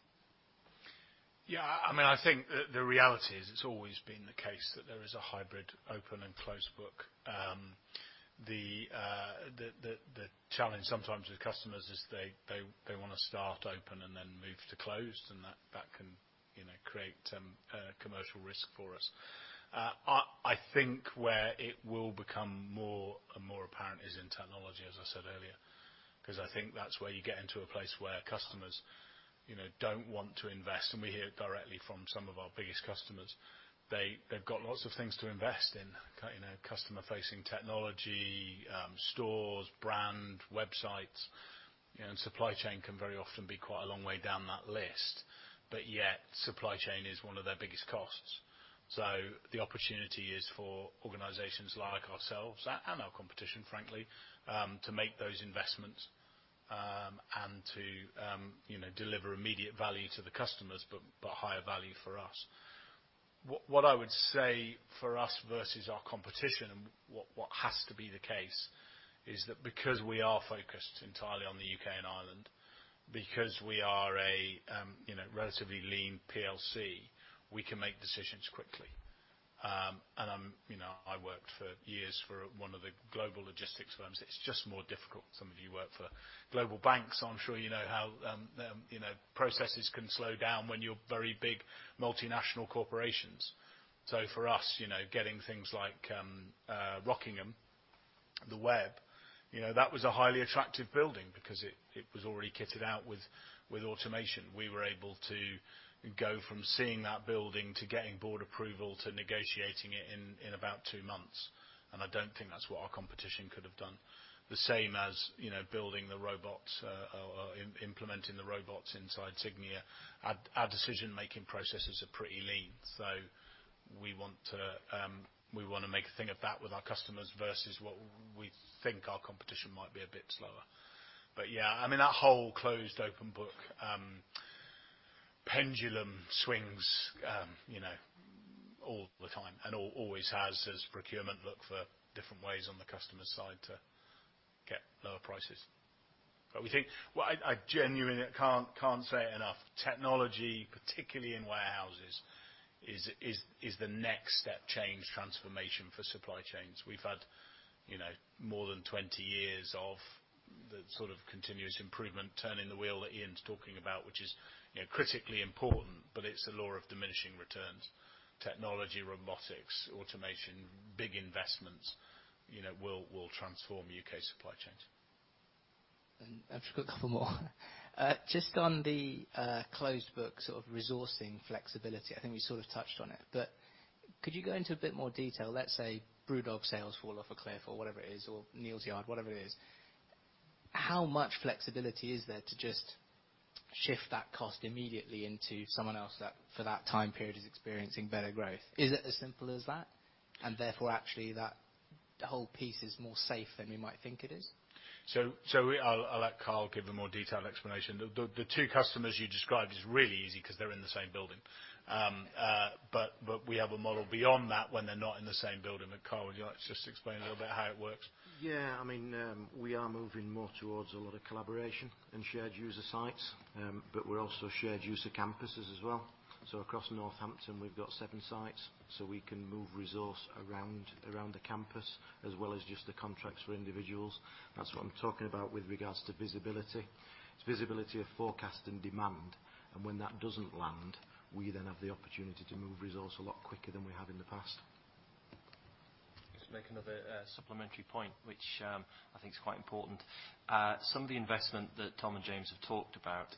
Yeah, I mean, I think the reality is it's always been the case that there is a hybrid open and closed book. The challenge sometimes with customers is they wanna start open and then move to closed, and that can, you know, create commercial risk for us. I think where it will become more and more apparent is in technology, as I said earlier, 'cause I think that's where you get into a place where customers, you know, don't want to invest, and we hear it directly from some of our biggest customers. They've got lots of things to invest in, you know, customer-facing technology, stores, brand, websites. You know, supply chain can very often be quite a long way down that list. Yet, supply chain is one of their biggest costs. The opportunity is for organizations like ourselves, and our competition, frankly, to make those investments, and to, you know, deliver immediate value to the customers, but higher value for us. What I would say for us versus our competition and what has to be the case is that because we are focused entirely on the UK and Ireland, because we are a, you know, relatively lean PLC, we can make decisions quickly. You know, I worked for years for one of the global logistics firms. It's just more difficult. Some of you work for global banks, I'm sure you know how, you know, processes can slow down when you're very big multinational corporations. For us, you know, getting things like Rockingham, The Webb, you know, that was a highly attractive building because it was already kitted out with automation. We were able to go from seeing that building to getting board approval to negotiating it in about two months, and I don't think that's what our competition could have done. The same as, you know, building the robots or implementing the robots inside Cygnia. Our decision-making processes are pretty lean, so we wanna make a thing of that with our customers versus what we think our competition might be a bit slower. Yeah, I mean, that whole closed-book open-book pendulum swings, you know, all the time and always has as procurement looks for different ways on the customer side to get lower prices. We think. Well, I genuinely can't say it enough, technology, particularly in warehouses, is the next step change transformation for supply chains. We've had, you know, more than 20 years of the sort of continuous improvement, turning the wheel that Ian's talking about, which is, you know, critically important, but it's the law of diminishing returns. Technology, robotics, automation, big investments, you know, will transform U.K. supply chains. I've just got a couple more. Just on the closed book sort of resourcing flexibility, I think we sort of touched on it, but could you go into a bit more detail? Let's say BrewDog sales fall off a cliff or whatever it is, or Neal's Yard, whatever it is. How much flexibility is there to just shift that cost immediately into someone else that, for that time period is experiencing better growth? Is it as simple as that? Therefore, actually, that whole piece is more safe than we might think it is? I'll let Carl give a more detailed explanation. The two customers you described is really easy 'cause they're in the same building. We have a model beyond that when they're not in the same building. Carl, would you like to just explain a little bit how it works? Yeah. I mean, we are moving more towards a lot of collaboration and shared user sites, but we're also shared user campuses as well. Across Northampton, we've got seven sites, so we can move resource around the campus as well as just the contracts for individuals. That's what I'm talking about with regards to visibility. It's visibility of forecast and demand, and when that doesn't land, we then have the opportunity to move resource a lot quicker than we have in the past. Just make another supplementary point, which I think is quite important. Some of the investment that Tom and James have talked about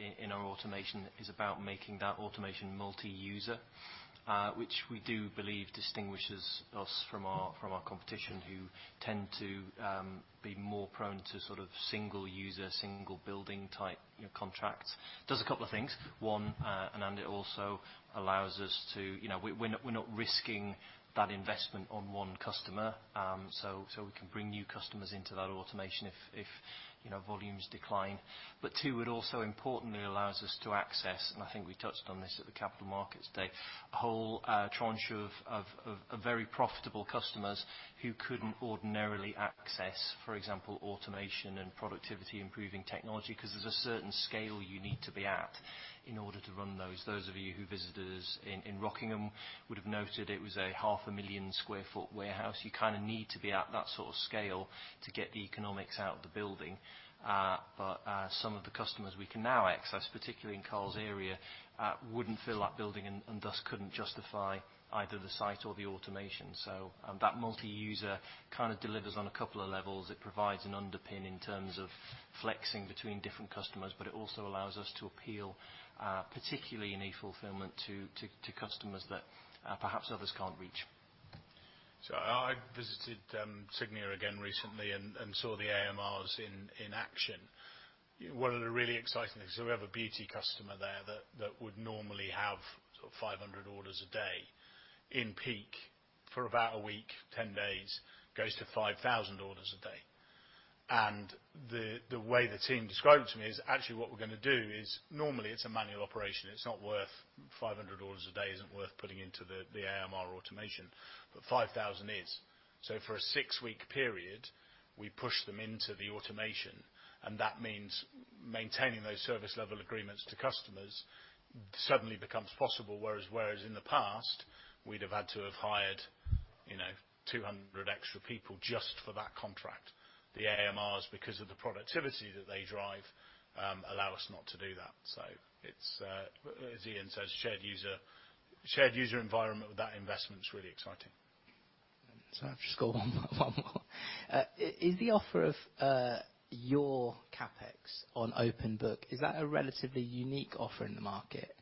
in our automation is about making that automation multi-user, which we do believe distinguishes us from our competition who tend to be more prone to sort of single user, single building type, you know, contracts. Does a couple of things. One, and then it also allows us to. You know, we're not risking that investment on one customer, so we can bring new customers into that automation if you know, volumes decline. Two, it also importantly allows us to access, and I think we touched on this at the Capital Markets Day, a whole tranche of very profitable customers who couldn't ordinarily access, for example, automation and productivity improving technology, 'cause there's a certain scale you need to be at in order to run those. Those of you who visited us in Rockingham would have noted it was a 500,000 sq. Ft. Warehouse. You kind of need to be at that sort of scale to get the economics out of the building. Some of the customers we can now access, particularly in Carl's area, wouldn't fill that building and thus couldn't justify either the site or the automation. That multi-user kind of delivers on a couple of levels. It provides an underpin in terms of flexing between different customers, but it also allows us to appeal, particularly in efulfillment to customers that, perhaps others can't reach. I visited Cygnia again recently and saw the AMRs in action. One of the really exciting things, so we have a beauty customer there that would normally have sort of 500 orders a day in peak for about a week, 10 days, goes to 5,000 orders a day. The way the team described it to me is actually what we're gonna do is normally it's a manual operation. It's not worth putting 500 orders a day into the AMR automation, but 5,000 is. For a 6-week period, we push them into the automation, and that means maintaining those service level agreements to customers suddenly becomes possible. Whereas in the past, we'd have had to have hired, you know, 200 extra people just for that contract. The AMRs, because of the productivity that they drive, allow us not to do that. It's, as Ian says, shared user environment with that investment is really exciting. I've just got one more. Is the offer of your CapEx on open book a relatively unique offer in the market?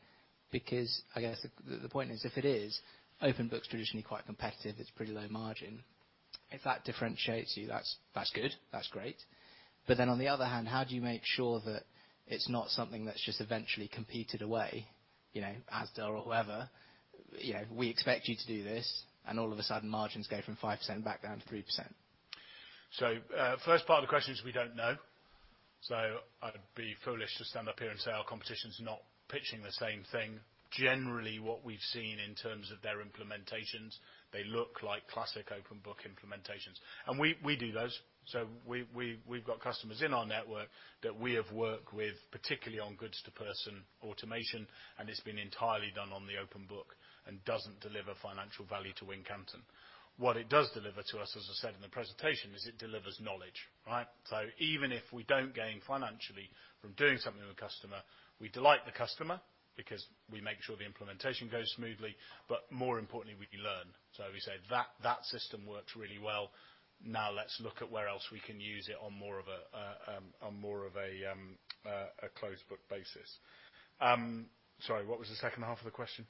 Because I guess the point is if it is, open book's traditionally quite competitive, it's pretty low margin. If that differentiates you, that's good, that's great. But then on the other hand, how do you make sure that it's not something that's just eventually competed away, you know, Asda or whoever? You know, we expect you to do this, and all of a sudden margins go from 5% back down to 3%. First part of the question is we don't know. I'd be foolish to stand up here and say our competition's not pitching the same thing. Generally, what we've seen in terms of their implementations, they look like classic open book implementations. We do those. We've got customers in our network that we have worked with, particularly on goods to person automation, and it's been entirely done on the open book and doesn't deliver financial value to Wincanton. What it does deliver to us, as I said in the presentation, is it delivers knowledge, right? Even if we don't gain financially from doing something with a customer, we delight the customer because we make sure the implementation goes smoothly, but more importantly, we learn. We say, "That system works really well. Now let's look at where else we can use it on more of a closed book basis. Sorry, what was the second half of the question?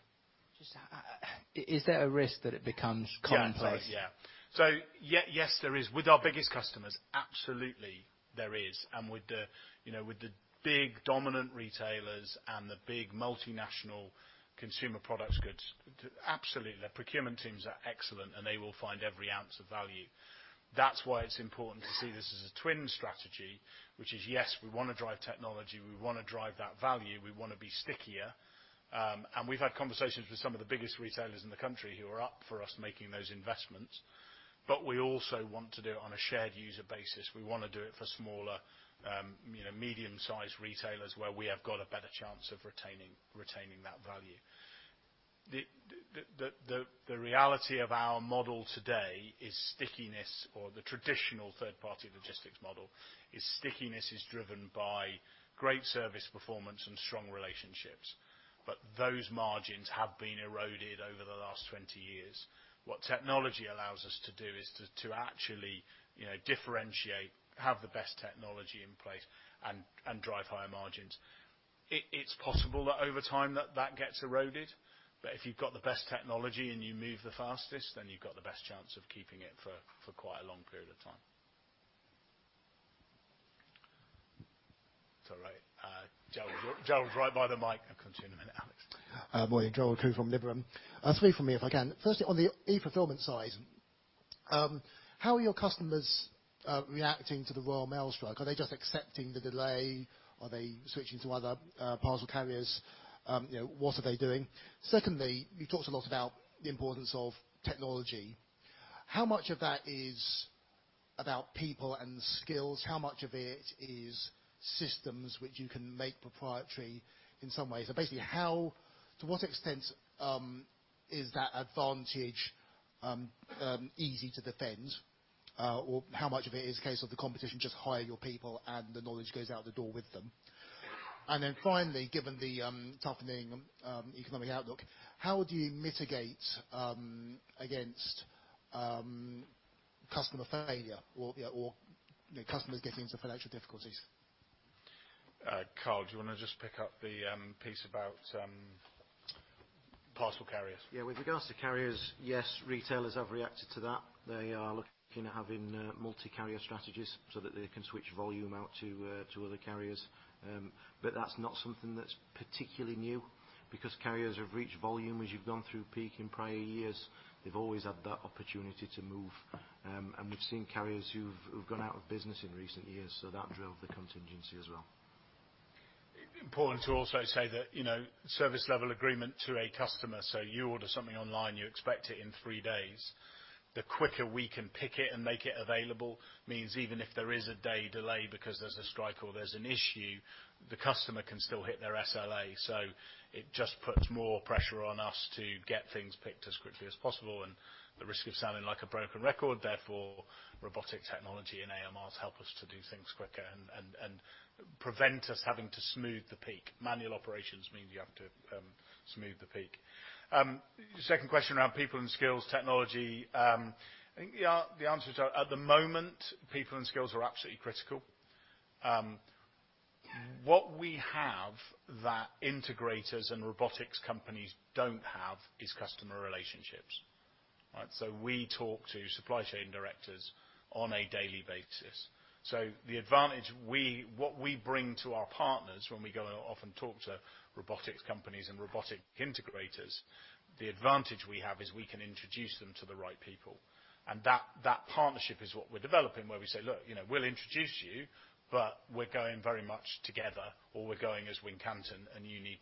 Just, is there a risk that it becomes commonplace? Yeah. Yes, there is. With our biggest customers, absolutely there is. With the, you know, with the big dominant retailers and the big multinational consumer products goods, absolutely. Their procurement teams are excellent, and they will find every ounce of value. That's why it's important to see this as a twin strategy, which is, yes, we wanna drive technology, we wanna drive that value, we wanna be stickier. We've had conversations with some of the biggest retailers in the country who are up for us making those investments, but we also want to do it on a shared user basis. We wanna do it for smaller, you know, medium-sized retailers where we have got a better chance of retaining that value. The reality of our model today is stickiness, or the traditional third party logistics model, is stickiness driven by great service performance and strong relationships. Those margins have been eroded over the last 20 years. What technology allows us to do is to actually, you know, differentiate, have the best technology in place and drive higher margins. It's possible that over time that gets eroded, but if you've got the best technology and you move the fastest, then you've got the best chance of keeping it for quite a long period of time. It's all right. Gerald, right by the mic. I'll come to you in a minute, Alex. Morning, Gerald Khoo from Liberum. Three from me, if I can. Firstly, on the e-fulfillment side, how are your customers reacting to the Royal Mail strike? Are they just accepting the delay? Are they switching to other parcel carriers? You know, what are they doing? Secondly, you talked a lot about the importance of technology. How much of that is about people and skills? How much of it is systems which you can make proprietary in some way? Basically how, to what extent, is that advantage easy to defend? Or how much of it is a case of the competition just hire your people and the knowledge goes out the door with them? Finally, given the toughening economic outlook, how do you mitigate against customer failure or, you know, or the customers getting into financial difficulties? Carl, do you wanna just pick up the piece about parcel carriers? Yeah. With regards to carriers, yes, retailers have reacted to that. They are looking at having multi-carrier strategies so that they can switch volume out to other carriers. That's not something that's particularly new because carriers have reached volume as you've gone through peak in prior years. They've always had that opportunity to move. We've seen carriers who've gone out of business in recent years, so that drove the contingency as well. Important to also say that, you know, service level agreement to a customer. You order something online, you expect it in three days. The quicker we can pick it and make it available means even if there is a day delay because there's a strike or there's an issue, the customer can still hit their SLA. It just puts more pressure on us to get things picked as quickly as possible and the risk of sounding like a broken record. Therefore, robotic technology and AMRs help us to do things quicker and prevent us having to smooth the peak. Manual operations mean you have to smooth the peak. Second question around people and skills, technology. I think the answer is, at the moment, people and skills are absolutely critical. What we have that integrators and robotics companies don't have is customer relationships, right? We talk to supply chain directors on a daily basis. The advantage, what we bring to our partners when we go out, we often talk to robotics companies and robotic integrators, the advantage we have is we can introduce them to the right people. That partnership is what we're developing, where we say, "Look, you know, we'll introduce you, but we're going very much together or we're going as Wincanton, and you need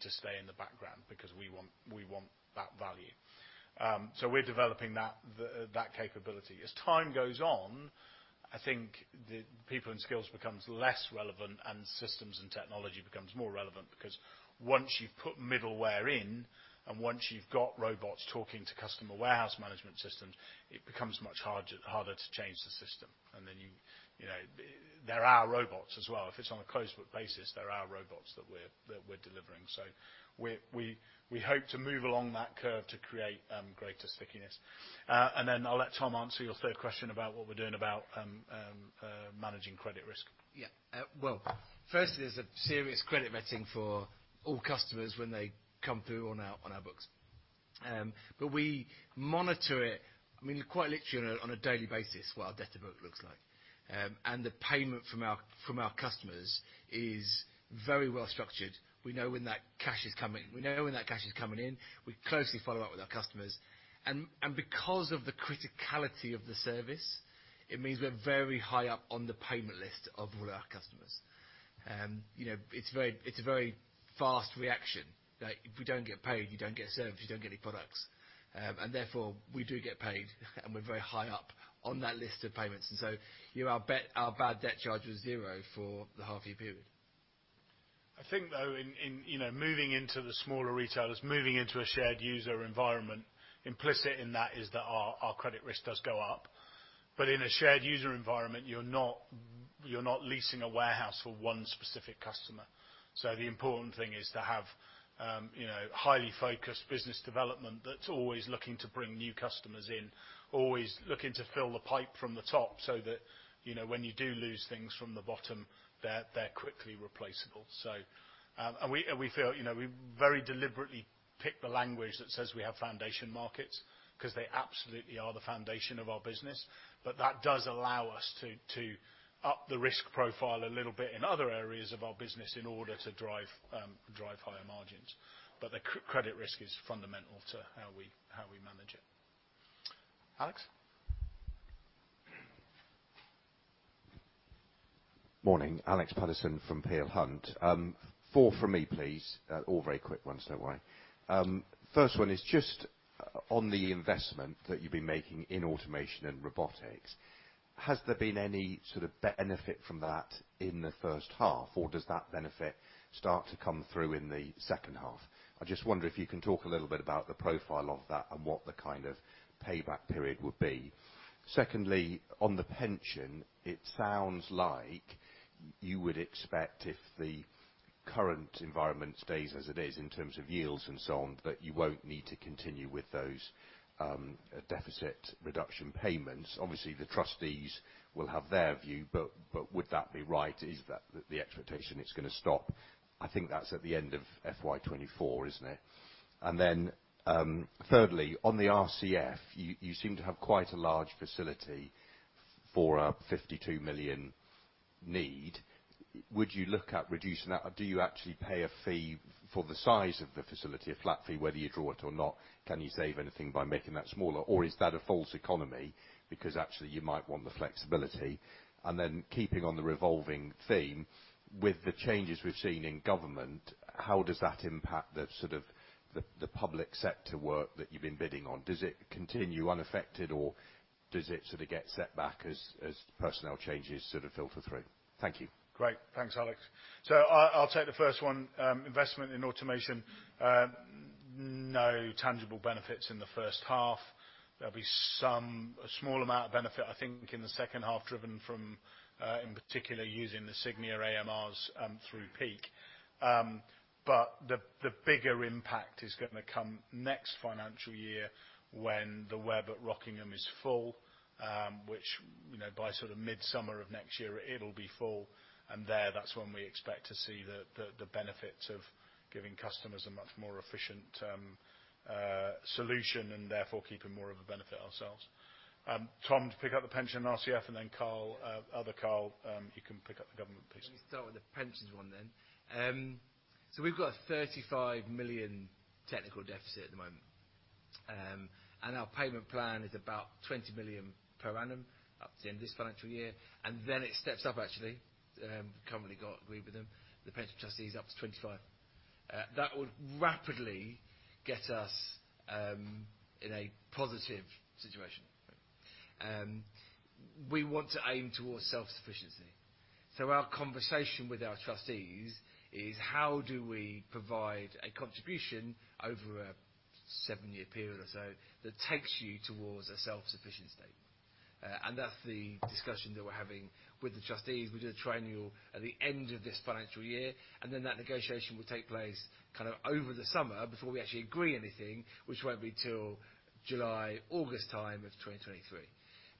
to stay in the background because we want that value." We're developing that capability. As time goes on, I think the people and skills becomes less relevant and systems and technology becomes more relevant because once you've put middleware in, and once you've got robots talking to customer warehouse management systems, it becomes much harder to change the system. You know, there are robots as well. If it's on a closed book basis, there are robots that we're delivering. We hope to move along that curve to create greater stickiness. I'll let Tom answer your third question about what we're doing about managing credit risk. Yeah. Well, first there's a serious credit vetting for all customers when they come through on our books. We monitor it. I mean, quite literally on a daily basis, what our debt to book looks like. The payment from our customers is very well structured. We know when that cash is coming. We know when that cash is coming in. We closely follow up with our customers. Because of the criticality of the service, it means we're very high up on the payment list of all our customers. You know, it's a very fast reaction. Like, if we don't get paid, you don't get served, you don't get any products. Therefore, we do get paid, and we're very high up on that list of payments. You know, our bad debt charge was zero for the half year period. I think, though, in you know, moving into the smaller retailers, moving into a shared user environment, implicit in that is that our credit risk does go up. But in a shared user environment, you're not leasing a warehouse for one specific customer. The important thing is to have you know, highly focused business development that's always looking to bring new customers in, always looking to fill the pipe from the top so that, you know, when you do lose things from the bottom, they're quickly replaceable. We feel you know, we very deliberately pick the language that says we have foundation markets 'cause they absolutely are the foundation of our business. That does allow us to up the risk profile a little bit in other areas of our business in order to drive higher margins. The credit risk is fundamental to how we manage it. Alex? Morning. Alex Paterson from Peel Hunt. Four from me, please. All very quick ones, don't worry. First one is just on the investment that you've been making in automation and robotics. Has there been any sort of benefit from that in the first half, or does that benefit start to come through in the second half? I just wonder if you can talk a little bit about the profile of that and what the kind of payback period would be. Secondly, on the pension, it sounds like you would expect if the current environment stays as it is in terms of yields and so on, that you won't need to continue with those, deficit reduction payments. Obviously, the trustees will have their view, but would that be right? Is that the expectation it's gonna stop? I think that's at the end of FY24, isn't it? Thirdly, on the RCF, you seem to have quite a large facility for a 52 million need. Would you look at reducing that? Do you actually pay a fee for the size of the facility, a flat fee, whether you draw it or not? Can you save anything by making that smaller? Or is that a false economy because actually you might want the flexibility? Keeping on the revolving theme, with the changes we've seen in government, how does that impact the public sector work that you've been bidding on? Does it continue unaffected or does it sort of get set back as personnel changes sort of filter through? Thank you. Great. Thanks, Alex. I'll take the first one, investment in automation. No tangible benefits in the first half. There'll be some, a small amount of benefit, I think, in the second half driven from in particular using the Cygnia AMRs through peak. But the bigger impact is gonna come next financial year when the Webb at Rockingham is full, which you know by sort of midsummer of next year it'll be full, and that's when we expect to see the benefits of giving customers a much more efficient solution and therefore keeping more of the benefit ourselves. Tom, to pick up the pension RCF and then Carl, other Carl, you can pick up the government piece. Let me start with the pensions one then. We've got a 35 million technical deficit at the moment. Our payment plan is about 20 million per annum up to the end of this financial year. Then it steps up actually. Currently got agreed with them, the pension trustees up to 25. That would rapidly get us in a positive situation. We want to aim towards self-sufficiency. Our conversation with our trustees is how do we provide a contribution over a seven-year period or so that takes you towards a self-sufficient state? That's the discussion that we're having with the trustees. We do the triennial at the end of this financial year, and then that negotiation will take place kind of over the summer before we actually agree anything, which won't be till July, August time of 2023.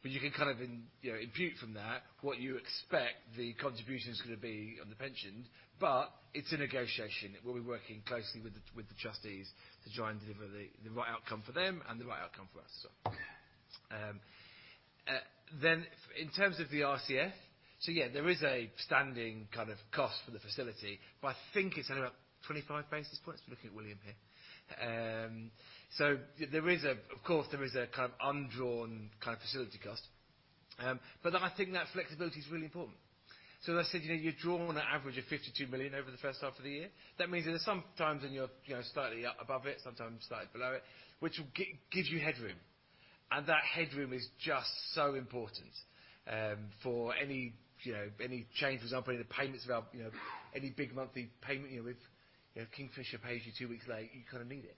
You can kind of, you know, impute from that what you expect the contribution's gonna be on the pension, but it's a negotiation. We'll be working closely with the trustees to try and deliver the right outcome for them and the right outcome for us. Then in terms of the RCF, yeah, there is a standing kind of cost for the facility, but I think it's at about 25 basis points. Looking at William here. There is, of course, a kind of undrawn facility cost. But I think that flexibility is really important. As I said, you know, you draw on an average of 52 million over the first half of the year. That means that there's some times when you're, you know, slightly up above it, sometimes slightly below it, which gives you headroom, and that headroom is just so important for any, you know, changes. For example, any of the payments of our, you know, big monthly payment. You know, if, you know, Kingfisher pays you two weeks late, you kind of need it.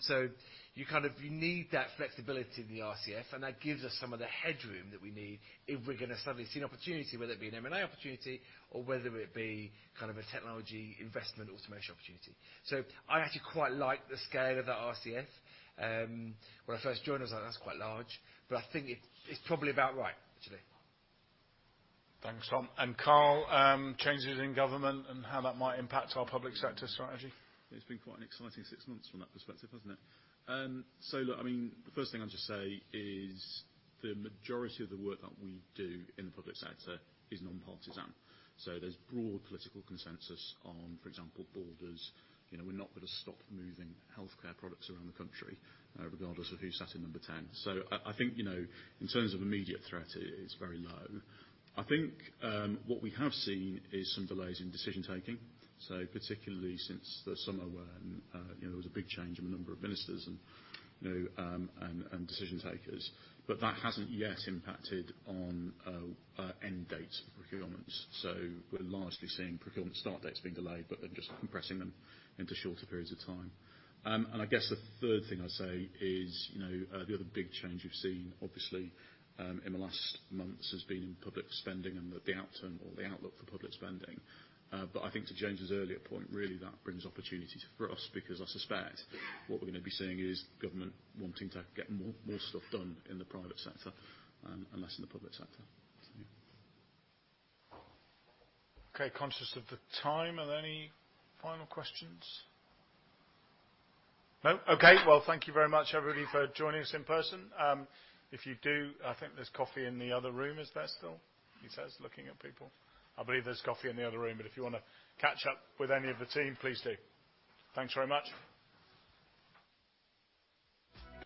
So you need that flexibility in the RCF, and that gives us some of the headroom that we need if we're gonna suddenly see an opportunity, whether it be an M&A opportunity or whether it be kind of a technology investment automation opportunity. So I actually quite like the scale of the RCF. When I first joined, I was like, "That's quite large." I think it's probably about right, actually. Thanks, Tom. Carl, changes in government and how that might impact our public sector strategy. It's been quite an exciting six months from that perspective, hasn't it? Look, I mean, the first thing I'll just say is the majority of the work that we do in the public sector is non-partisan. There's broad political consensus on, for example, borders. You know, we're not gonna stop moving healthcare products around the country, regardless of who's sat in Number 10. I think, you know, in terms of immediate threat, it's very low. I think, what we have seen is some delays in decision-making. Particularly since the summer when, you know, there was a big change in the number of ministers and, you know, and decision makers. That hasn't yet impacted on end date procurements. We're largely seeing procurement start dates being delayed, but they're just compressing them into shorter periods of time. I guess the third thing I'd say is, you know, the other big change we've seen obviously, in the last months has been in public spending and the outturn or the outlook for public spending. I think to James' earlier point, really that brings opportunities for us because I suspect what we're gonna be seeing is government wanting to get more stuff done in the private sector and less in the public sector. Yeah. Okay. Conscious of the time, are there any final questions? No? Okay. Well, thank you very much everybody for joining us in person. If you do, I think there's coffee in the other room. Is there still? He says, looking at people. I believe there's coffee in the other room, but if you wanna catch up with any of the team, please do. Thanks very much.